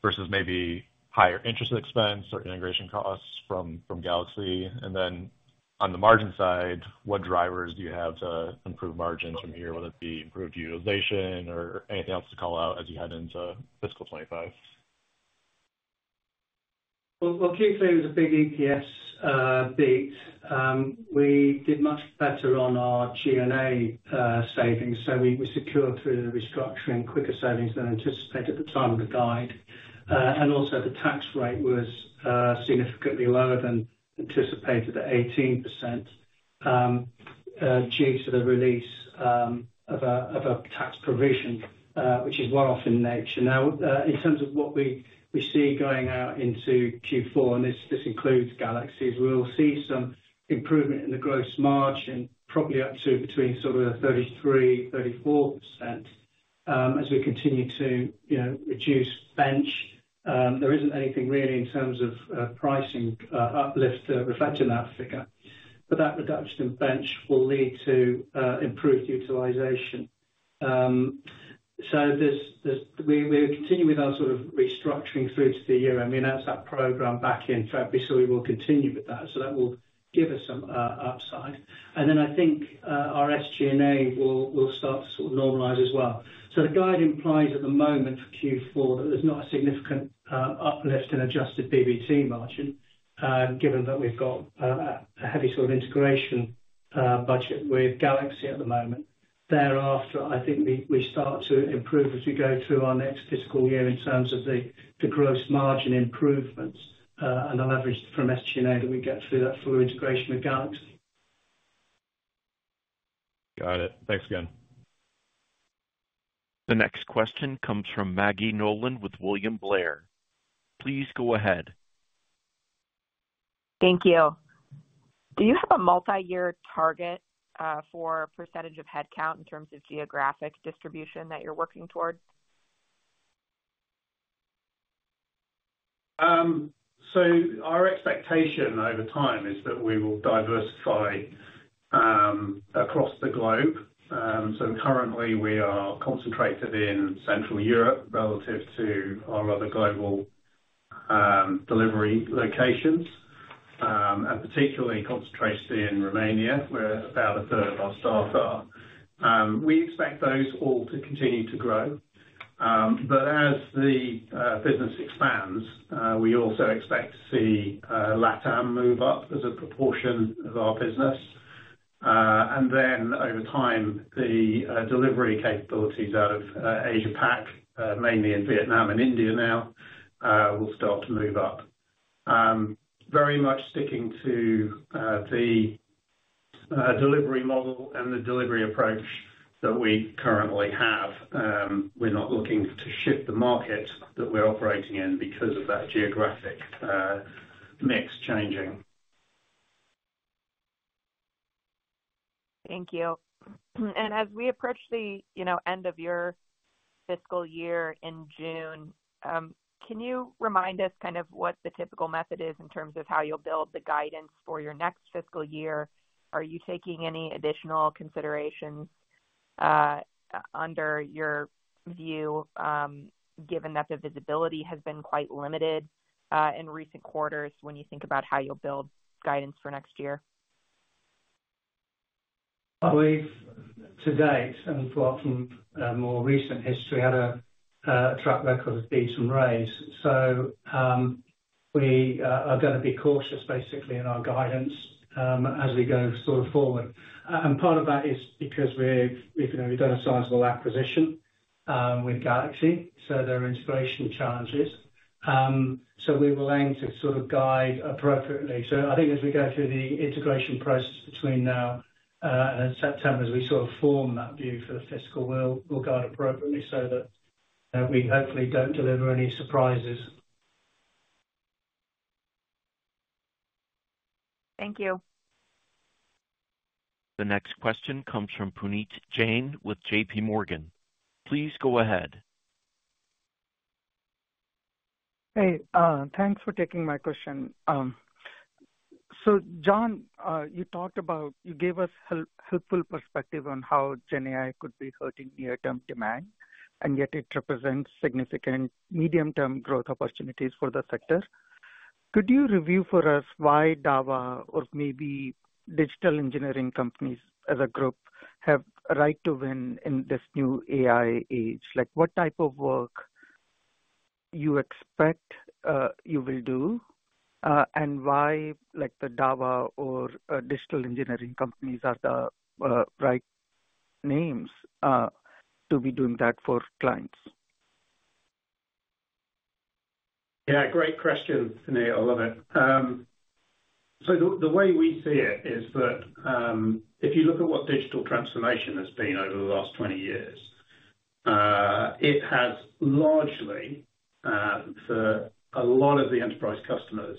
versus maybe higher interest expense or integration costs from, from Galaxy? And then on the margin side, what drivers do you have to improve margins from here, whether it be improved utilization or anything else to call out as you head into fiscal 2025? Well, Q3 was a big EPS beat. We did much better on our G&A savings, so we secured through the restructuring quicker savings than anticipated at the time of the guide. And also the tax rate was significantly lower than anticipated at 18%, due to the release of a tax provision, which is one-off in nature. Now, in terms of what we see going out into Q4, and this includes GalaxE.Solutions, is we will see some improvement in the gross margin, probably up to between sort of 33%-34%, as we continue to, you know, reduce bench. There isn't anything really in terms of pricing uplift to reflect in that figure, but that reduction in bench will lead to improved utilization. So there's we're continuing with our sort of restructuring through to the year. I mean, that's that program back in February, so we will continue with that, so that will give us some upside. And then I think our SG&A will start to sort of normalize as well. So the guide implies at the moment for Q4, that there's not a significant uplift in adjusted PBT margin, given that we've got a heavy sort of integration budget with Galaxy at the moment. Thereafter, I think we start to improve as we go through our next fiscal year in terms of the gross margin improvements and the leverage from SG&A that we get through that full integration with Galaxy. Got it. Thanks again. The next question comes from Maggie Nolan with William Blair. Please go ahead. Thank you. Do you have a multi-year target for percentage of headcount in terms of geographic distribution that you're working towards? So our expectation over time is that we will diversify across the globe. Currently, we are concentrated in Central Europe relative to our other global delivery locations, and particularly concentrated in Romania, where about a third of our staff are. We expect those all to continue to grow, but as the business expands, we also expect to see LATAM move up as a proportion of our business. And then over time, the delivery capabilities out of Asia Pac, mainly in Vietnam and India now, will start to move up. Very much sticking to the delivery model and the delivery approach that we currently have. We're not looking to shift the market that we're operating in because of that geographic mix changing. Thank you. As we approach the, you know, end of your fiscal year in June, can you remind us kind of what the typical method is in terms of how you'll build the guidance for your next fiscal year? Are you taking any additional considerations under your view, given that the visibility has been quite limited in recent quarters, when you think about how you'll build guidance for next year?... I believe to date, and from more recent history, had a track record of beat and raise. So we are gonna be cautious basically in our guidance, as we go sort of forward. And part of that is because we've, you know, we've done a sizable acquisition with Galaxy, so there are integration challenges. So we were willing to sort of guide appropriately. So I think as we go through the integration process between now and September, as we sort of form that view for the fiscal, we'll guide appropriately so that we hopefully don't deliver any surprises. Thank you. The next comes from Puneet Jain with J.P. Morgan. Please go ahead. Hey, thanks for taking my question. So John, you gave us helpful perspective on how GenAI could be hurting near-term demand, and yet it represents significant medium-term growth opportunities for the sector. Could you review for us why Endava or maybe digital engineering companies as a group, have right to win in this new AI age? Like, what type of work you expect, you will do, and why, like the Endava or, digital engineering companies are the, right names, to be doing that for clients? Yeah, great question, Puneet. I love it. So the way we see it is that, if you look at what digital transformation has been over the last 20 years, it has largely, for a lot of the enterprise customers,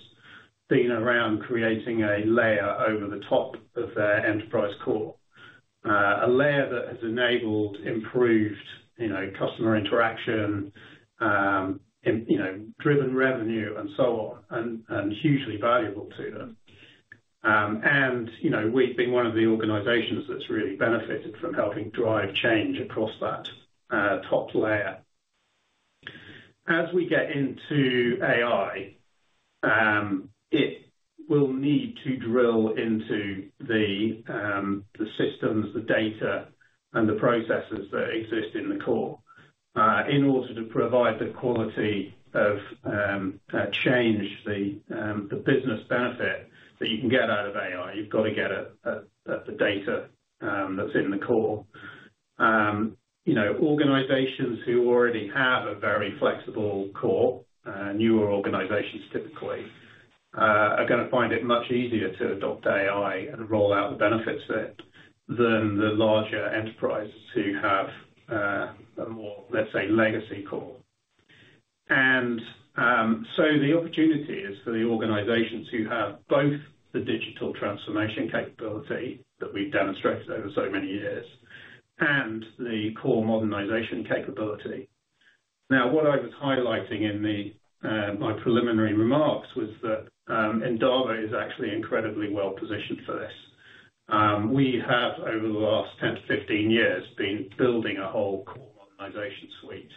been around creating a layer over the top of their enterprise core. A layer that has enabled improved, you know, customer interaction, and, you know, driven revenue and so on, and hugely valuable to them. And, you know, we've been one of the organizations that's really benefited from helping drive change across that top layer. As we get into AI, it will need to drill into the systems, the data, and the processes that exist in the core, in order to provide the quality of change, the business benefit that you can get out of AI. You've got to get at the data, that's in the core. You know, organizations who already have a very flexible core, newer organizations typically, are gonna find it much easier to adopt AI and roll out the benefits than the larger enterprises who have a more, let's say, legacy core. So the opportunity is for the organizations who have both the digital transformation capability, that we've demonstrated over so many years, and the core modernization capability. Now, what I was highlighting in the my preliminary remarks was that Endava is actually incredibly well positioned for this. We have, over the last 10-15 years, been building a whole core modernization suite,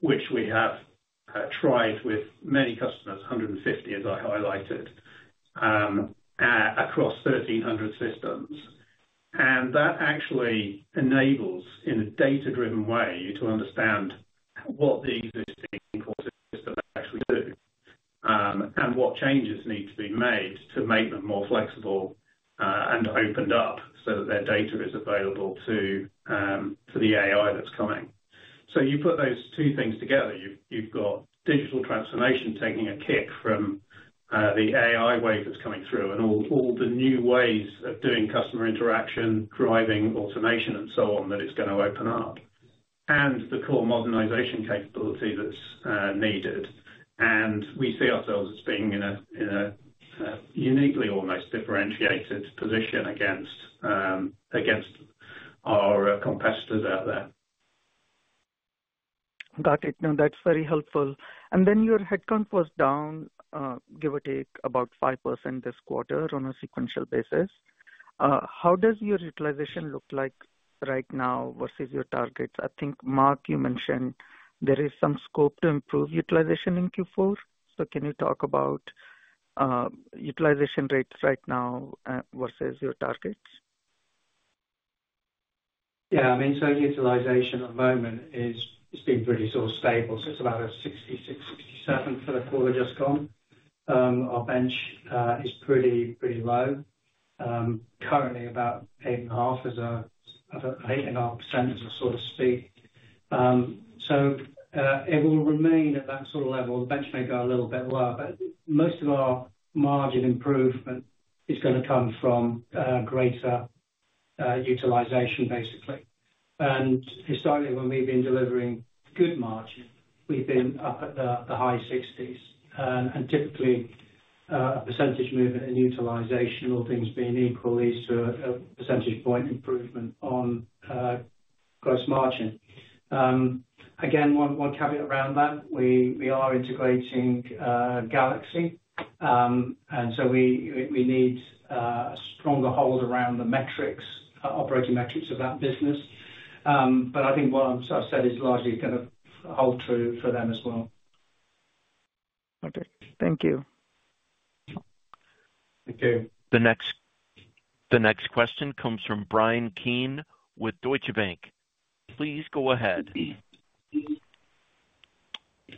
which we have tried with many customers, 150, as I highlighted, across 1,300 systems. And that actually enables, in a data-driven way, to understand what the existing core systems actually do, and what changes need to be made to make them more flexible, and opened up, so that their data is available to the AI that's coming. So you put those two things together, you've got digital transformation taking a kick from the AI wave that's coming through, and all the new ways of doing customer interaction, driving automation, and so on, that it's gonna open up, and the core modernization capability that's needed. And we see ourselves as being in a uniquely almost differentiated position against our competitors out there. Got it. No, that's very helpful. And then your headcount was down, give or take about 5% this quarter on a sequential basis. How does your utilization look like right now versus your targets? I think, Mark, you mentioned there is some scope to improve utilization in Q4. So can you talk about utilization rates right now versus your targets? Yeah, I mean, so utilization at the moment is, it's been pretty sort of stable, so it's about 66-67 for the quarter just gone. Our bench is pretty, pretty low, currently about 8.5% so to speak. So, it will remain at that sort of level. The bench may go a little bit lower, but most of our margin improvement is gonna come from greater utilization, basically. And historically, when we've been delivering good margin, we've been up at the high 60s, and typically, a percentage movement in utilization, all things being equal, leads to a percentage point improvement on gross margin. Again, one caveat around that, we are integrating GalaxE.Solutions, and so we need a stronger hold around the metrics, operating metrics of that business. But I think what I've said is largely gonna hold true for them as well.... Okay, thank you. Thank you. The next question comes from Bryan Keane with Deutsche Bank. Please go ahead.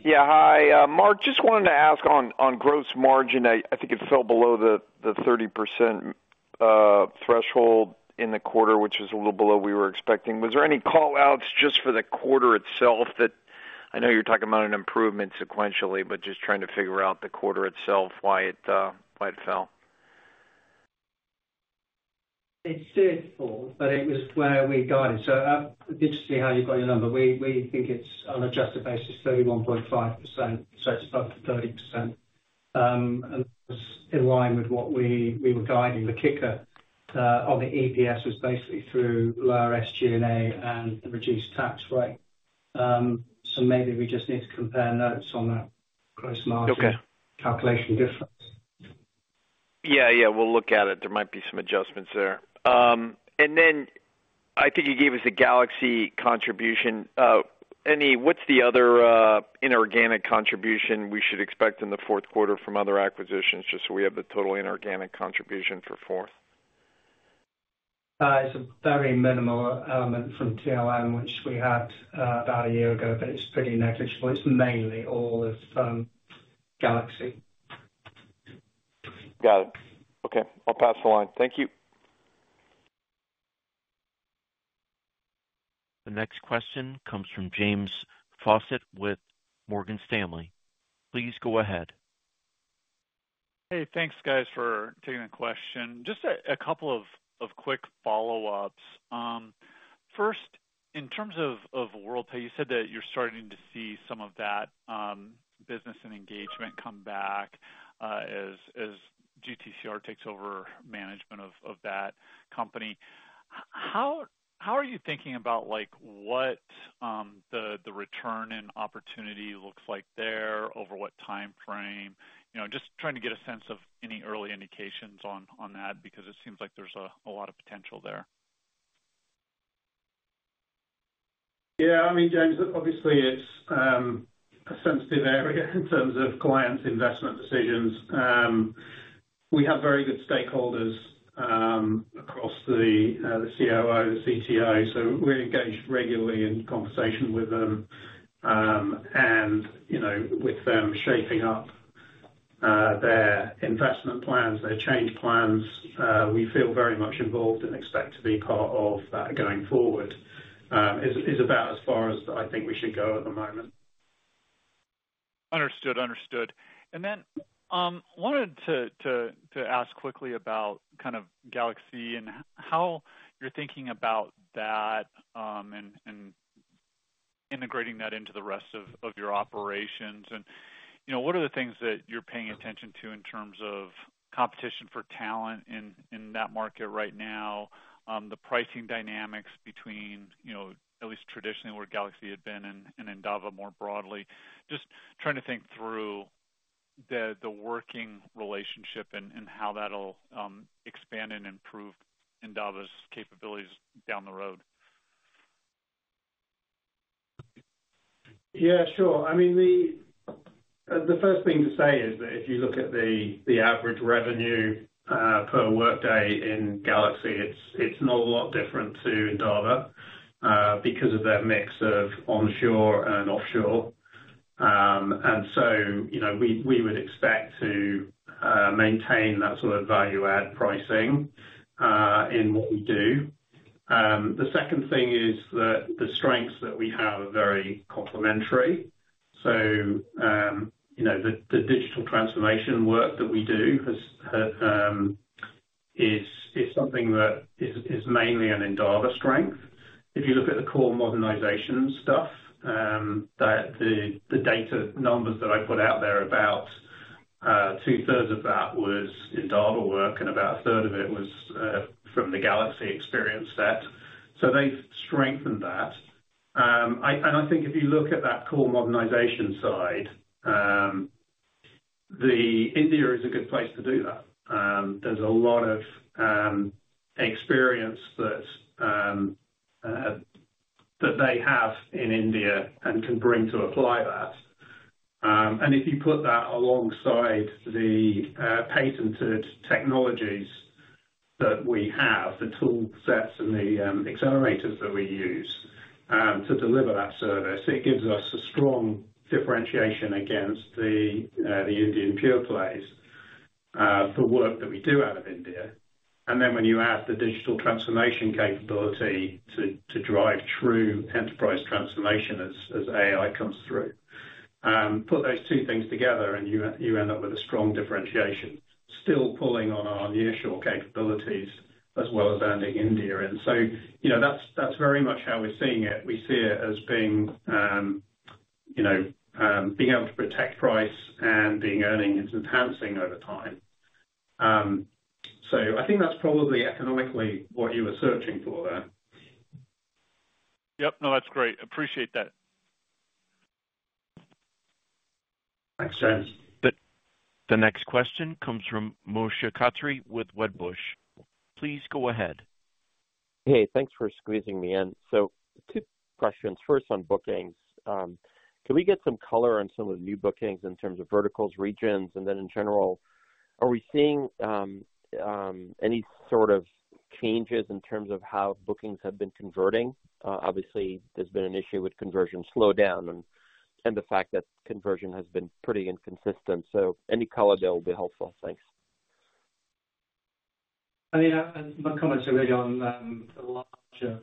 Yeah. Hi, Mark, just wanted to ask on gross margin. I think it fell below the 30% threshold in the quarter, which is a little below we were expecting. Was there any call outs just for the quarter itself, that I know you're talking about an improvement sequentially, but just trying to figure out the quarter itself, why it fell? It did fall, but it was where we guided. So, I did see how you got your number. We think it's on an adjusted basis, 31.5%, so it's above the 30%. And in line with what we were guiding, the kicker on the EPS was basically through lower SG&A and the reduced tax rate. So maybe we just need to compare notes on that gross margin. Okay. Calculation difference. Yeah, yeah, we'll look at it. There might be some adjustments there. And then I think you gave us the Galaxy contribution. What's the other inorganic contribution we should expect in the fourth quarter from other acquisitions, just so we have the total inorganic contribution for fourth? It's a very minimal element from TLM, which we had about a year ago, but it's pretty negligible. It's mainly all of Galaxy. Got it. Okay. I'll pass along. Thank you. The next question comes from James Faucette, with Morgan Stanley. Please go ahead. Hey, thanks, guys, for taking the question. Just a couple of quick follow-ups. First, in terms of Worldpay, you said that you're starting to see some of that business and engagement come back, as GTCR takes over management of that company. How are you thinking about, like, what the return and opportunity looks like there, over what timeframe? You know, just trying to get a sense of any early indications on that, because it seems like there's a lot of potential there. Yeah. I mean, James, obviously it's a sensitive area in terms of clients' investment decisions. We have very good stakeholders across the COO, the CTO, so we're engaged regularly in conversation with them. And, you know, with them shaping up their investment plans, their change plans, we feel very much involved and expect to be part of that going forward. Is about as far as I think we should go at the moment. Understood. Understood. And then wanted to ask quickly about kind of GalaxE.Solutions and how you're thinking about that, and integrating that into the rest of your operations. And, you know, what are the things that you're paying attention to in terms of competition for talent in that market right now, the pricing dynamics between, you know, at least traditionally, where GalaxE.Solutions had been and Endava more broadly? Just trying to think through the working relationship and how that'll expand and improve Endava's capabilities down the road. Yeah, sure. I mean, the first thing to say is that if you look at the average revenue per workday in Galaxy, it's not a lot different to Endava, because of that mix of onshore and offshore. And so, you know, we would expect to maintain that sort of value add pricing in what we do. The second thing is that the strengths that we have are very complementary. So, you know, the digital transformation work that we do is something that is mainly an Endava strength. If you look at the core modernization stuff, that the data numbers that I put out there, about two-thirds of that was Endava work, and about a third of it was from the Galaxy experience set. So they've strengthened that. I think if you look at that core modernization side, India is a good place to do that. There's a lot of experience that they have in India and can bring to apply that. And if you put that alongside the patented technologies that we have, the toolsets and the accelerators that we use to deliver that service, it gives us a strong differentiation against the Indian pure plays for work that we do out of India. And then when you add the digital transformation capability to drive true enterprise transformation as AI comes through, put those two things together and you end up with a strong differentiation, still pulling on our nearshore capabilities as well as adding India in. So, you know, that's, that's very much how we're seeing it. We see it as being, you know, being able to protect price and the earnings enhancing over time. So I think that's probably economically what you were searching for there. Yep. No, that's great. Appreciate that. Makes sense. The next question comes from Moshe Katri with Wedbush. Please go ahead. Hey, thanks for squeezing me in. So two questions. First, on bookings, can we get some color on some of the new bookings in terms of verticals, regions, and then in general, are we seeing any sort of changes in terms of how bookings have been converting? Obviously, there's been an issue with conversion slowdown and the fact that conversion has been pretty inconsistent, so any color there will be helpful. Thanks. I mean, my comments are really on the larger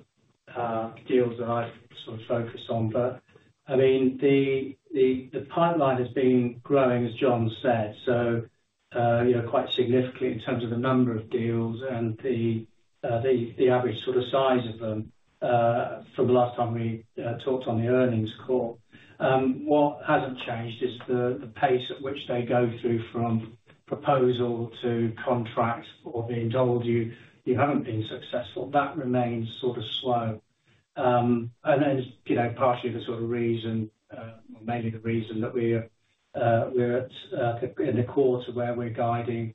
deals that I sort of focus on. But I mean, the pipeline has been growing, as John said, so you know, quite significantly in terms of the number of deals and the average sort of size of them from the last time we talked on the earnings call. What hasn't changed is the pace at which they go through from proposal to contract or being told you haven't been successful, that remains sort of slow. And then, you know, partially the sort of reason, mainly the reason that we're at in the quarter where we're guiding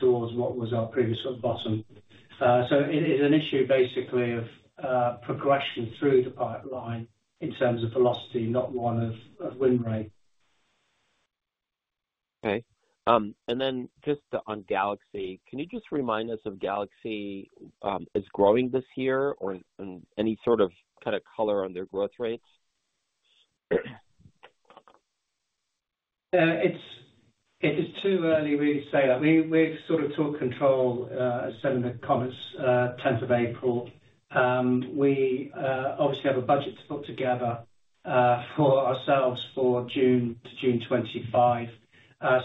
towards what was our previous sort of bottom. So it's an issue basically of progression through the pipeline in terms of velocity, not one of win rate. Okay. And then just on Galaxy, can you just remind us if Galaxy is growing this year, or any sort of, kind of, color on their growth rates? It's, it is too early really to say that. We've sort of took control, as said in the comments, 10th of April. We obviously have a budget to put together, for ourselves for June to June 2025.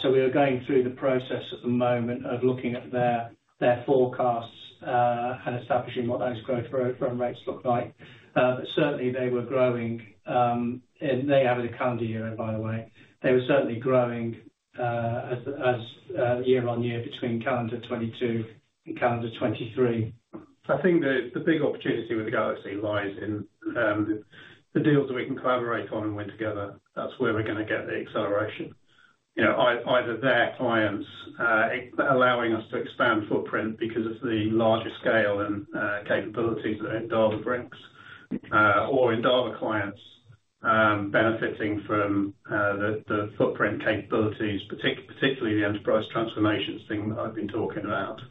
So we are going through the process at the moment of looking at their, their forecasts, and establishing what those growth rates look like. But certainly they were growing, and they have a calendar year, by the way. They were certainly growing, as year on year between calendar 2022 and calendar 2023. I think the big opportunity with the GalaxE lies in the deals that we can collaborate on and win together. That's where we're gonna get the acceleration. You know, either their clients allowing us to expand footprint because of the larger scale and capabilities that Endava brings, or Endava clients benefiting from the footprint capabilities, particularly the enterprise transformations thing that I've been talking about,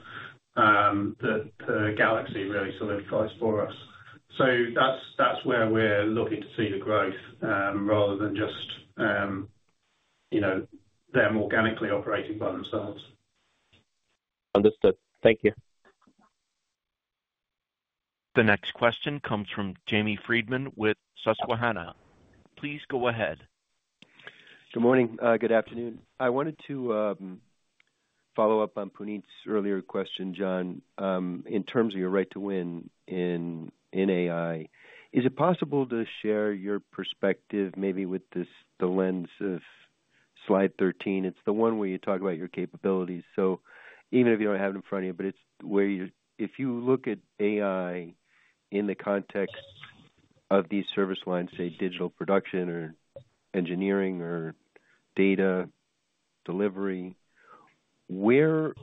that GalaxE really solidifies for us. So that's where we're looking to see the growth, rather than just you know, them organically operating by themselves. Understood. Thank you. The next question comes from Jamie Friedman with Susquehanna. Please go ahead. Good morning, good afternoon. I wanted to follow up on Puneet's earlier question, John. In terms of your right to win in AI, is it possible to share your perspective, maybe with the lens of slide 13? It's the one where you talk about your capabilities. So even if you don't have it in front of you, but it's where you're— If you look at AI in the context of these service lines, say, digital production or engineering or data delivery, where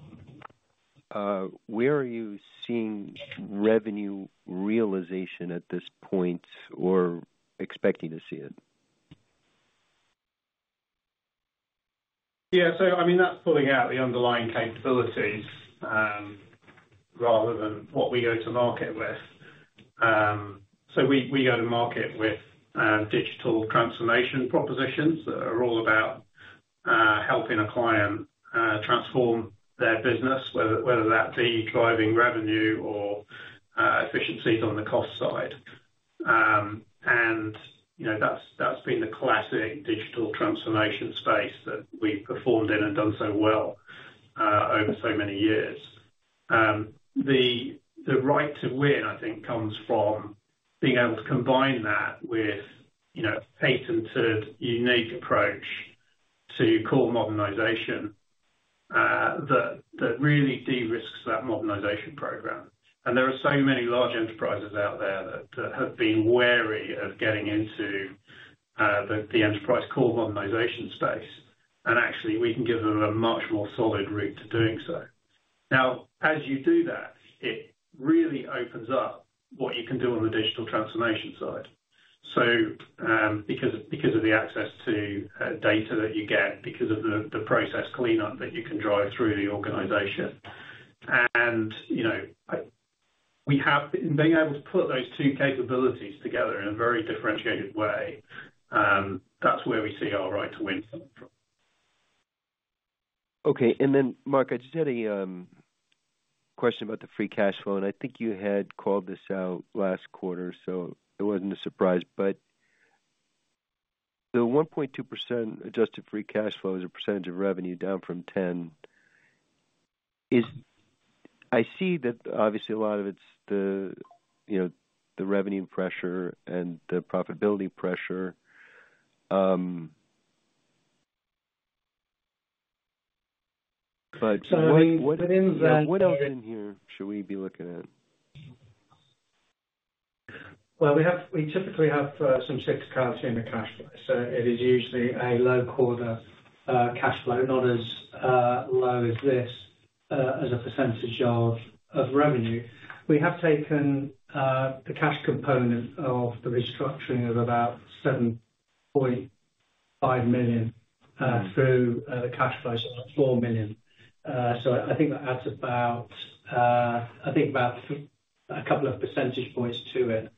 are you seeing revenue realization at this point, or expecting to see it? Yeah, so I mean, that's pulling out the underlying capabilities, rather than what we go to market with. So we go to market with digital transformation propositions that are all about helping a client transform their business, whether that be driving revenue or efficiencies on the cost side. And, you know, that's been the classic digital transformation space that we've performed in and done so well over so many years. The right to win, I think, comes from being able to combine that with, you know, patented, unique approach to core modernization that really de-risks that modernization program. There are so many large enterprises out there that, that have been wary of getting into the enterprise core modernization space, and actually, we can give them a much more solid route to doing so. Now, as you do that, it really opens up what you can do on the digital transformation side. So, because, because of the access to data that you get, because of the process cleanup that you can drive through the organization, and, you know, being able to put those two capabilities together in a very differentiated way, that's where we see our right to win coming from. Okay, and then, Mark, I just had a question about the free cash flow, and I think you had called this out last quarter, so it wasn't a surprise. But the 1.2% Adjusted free cash flow as a percentage of revenue down from 10%, is... I see that obviously a lot of it's the, you know, the revenue pressure and the profitability pressure, but what, what in here should we be looking at?... Well, we typically have some cyclicality in the cash flow, so it is usually a low quarter, cash flow, not as low as this, as a percentage of revenue. We have taken the cash component of the restructuring of about $7.5 million through the cash flow, so that's $4 million. So I think that adds about, I think about a couple of percentage points to it.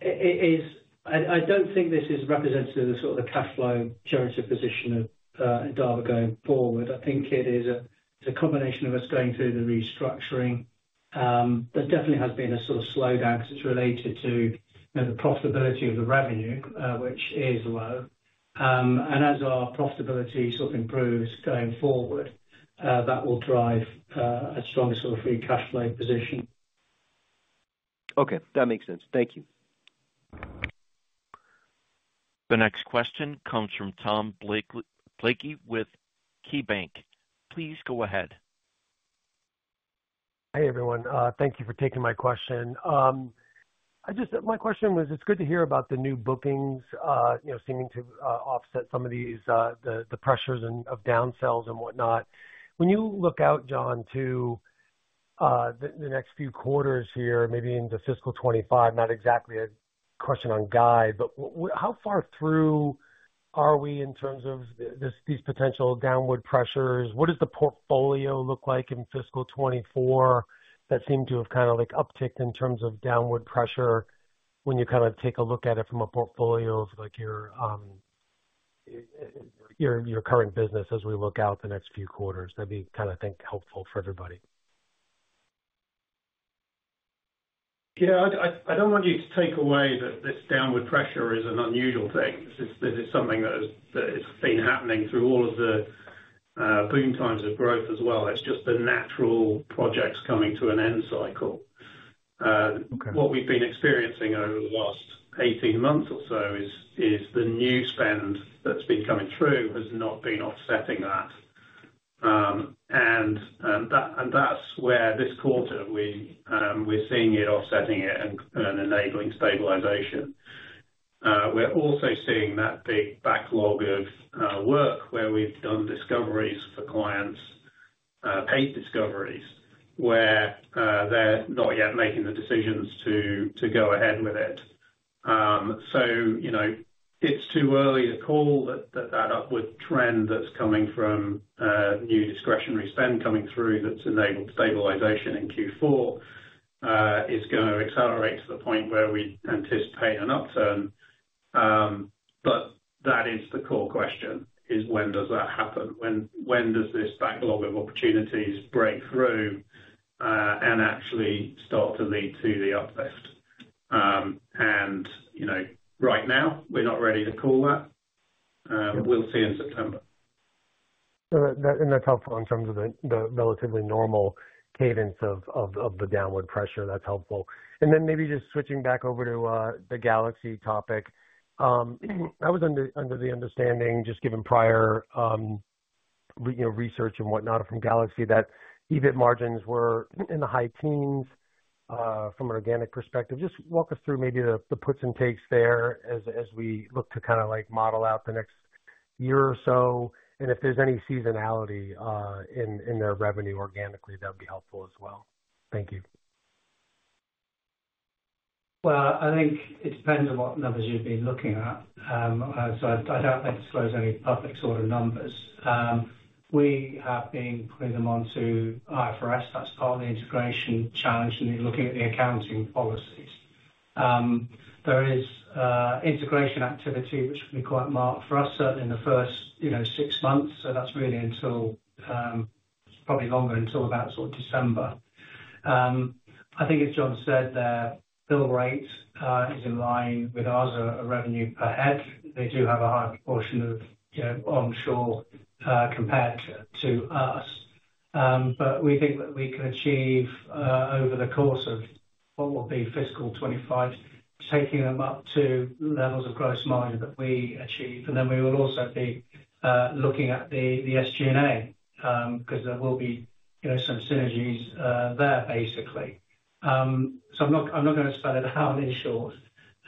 It is-- I don't think this is representative of sort of the cash flow generative position of Endava going forward. I think it is a, it's a combination of us going through the restructuring. There definitely has been a sort of slowdown because it's related to, you know, the profitability of the revenue, which is low. As our profitability sort of improves going forward, that will drive a stronger sort of free cash flow position. Okay, that makes sense. Thank you. The next question comes from Tom Blakey with KeyBanc. Please go ahead. Hey, everyone, thank you for taking my question. I just my question was, it's good to hear about the new bookings, you know, seeming to offset some of these pressures and downsells and whatnot. When you look out, John, to the next few quarters here, maybe into fiscal 2025, not exactly a question on guide, but how far through are we in terms of these potential downward pressures? What does the portfolio look like in fiscal 2024 that seem to have kind of like upticked in terms of downward pressure, when you kind of take a look at it from a portfolio of like your current business as we look out the next few quarters? That'd be kind of, I think, helpful for everybody. Yeah, I don't want you to take away that this downward pressure is an unusual thing. This is something that has been happening through all of the boom times of growth as well. It's just the natural projects coming to an end cycle. Okay.... What we've been experiencing over the last 18 months or so is the new spend that's been coming through has not been offsetting that. And that's where this quarter we're seeing it offsetting it and enabling stabilization. We're also seeing that big backlog of work where we've done discoveries for clients, paid discoveries, where they're not yet making the decisions to go ahead with it. So, you know, it's too early to call that upward trend that's coming from new discretionary spend coming through, that's enabled stabilization in Q4, is going to accelerate to the point where we anticipate an upturn. But that is the core question, is when does that happen? When does this backlog of opportunities break through and actually start to lead to the uplift? You know, right now, we're not ready to call that. We'll see in September. So that and that's helpful in terms of the relatively normal cadence of the downward pressure. That's helpful. And then maybe just switching back over to the Galaxy topic. I was under the understanding, just given prior, you know, research and whatnot from Galaxy, that EBIT margins were in the high teens from an organic perspective. Just walk us through maybe the puts and takes there, as we look to kind of like model out the next year or so, and if there's any seasonality in their revenue organically, that would be helpful as well. Thank you. Well, I think it depends on what numbers you've been looking at. So I don't like to disclose any public sort of numbers. We have been putting them onto IFRS. That's part of the integration challenge, when you're looking at the accounting policies. There is integration activity which can be quite marked for us, certainly in the first, you know, six months. So that's really until, probably longer, until about sort of December. I think as John said, their bill rate is in line with ours, revenue per head. They do have a higher proportion of, you know, onshore, compared to us. But we think that we can achieve, over the course of what will be fiscal 25, taking them up to levels of gross margin that we achieve. Then we will also be looking at the SG&A, because there will be, you know, some synergies there basically. So I'm not going to spell it out in short.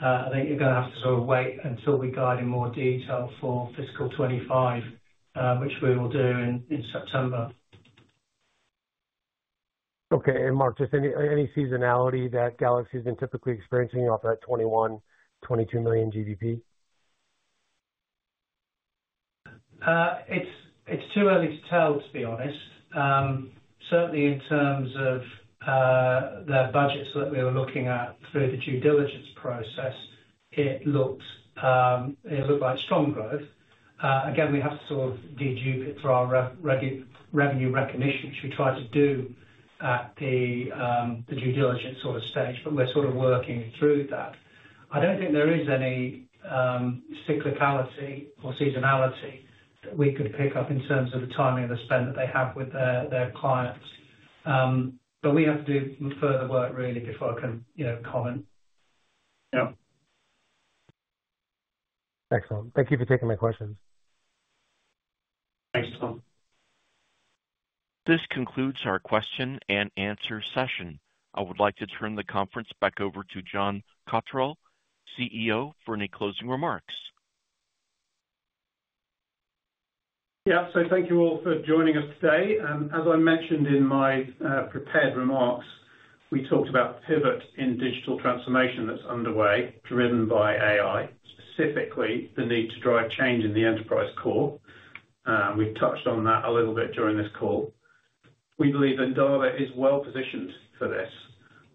I think you're gonna have to sort of wait until we guide in more detail for fiscal 25, which we will do in September. Okay, and Mark, just any seasonality that GalaxE.Solutions's been typically experiencing off that 21-22 million GBP? It's too early to tell, to be honest. Certainly in terms of their budgets that we were looking at through the due diligence process, it looked like strong growth. Again, we have to sort of dedup it for our revenue recognition, which we try to do at the due diligence sort of stage, but we're sort of working through that. I don't think there is any cyclicality or seasonality that we could pick up in terms of the timing of the spend that they have with their clients. But we have to do further work really, before I can, you know, comment. Yeah. Excellent. Thank you for taking my questions. Thanks, Tom. This concludes our question and answer session. I would like to turn the conference back over to John Cotterell, CEO, for any closing remarks. Yeah, so thank you all for joining us today, and as I mentioned in my prepared remarks, we talked about the pivot in digital transformation that's underway, driven by AI, specifically, the need to drive change in the enterprise core. We've touched on that a little bit during this call. We believe Endava is well positioned for this,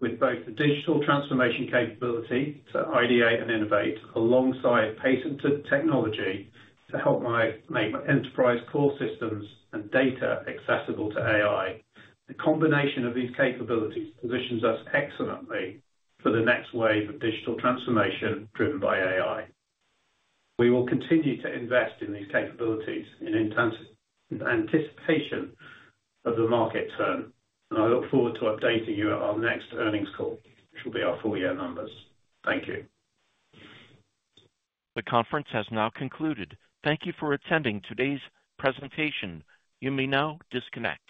with both the digital transformation capability to ideate and innovate, alongside patented technology to help make enterprise core systems and data accessible to AI. The combination of these capabilities positions us excellently for the next wave of digital transformation driven by AI. We will continue to invest in these capabilities in anticipation of the market turn, and I look forward to updating you at our next earnings call, which will be our full year numbers. Thank you. The conference has now concluded. Thank you for attending today's presentation. You may now disconnect.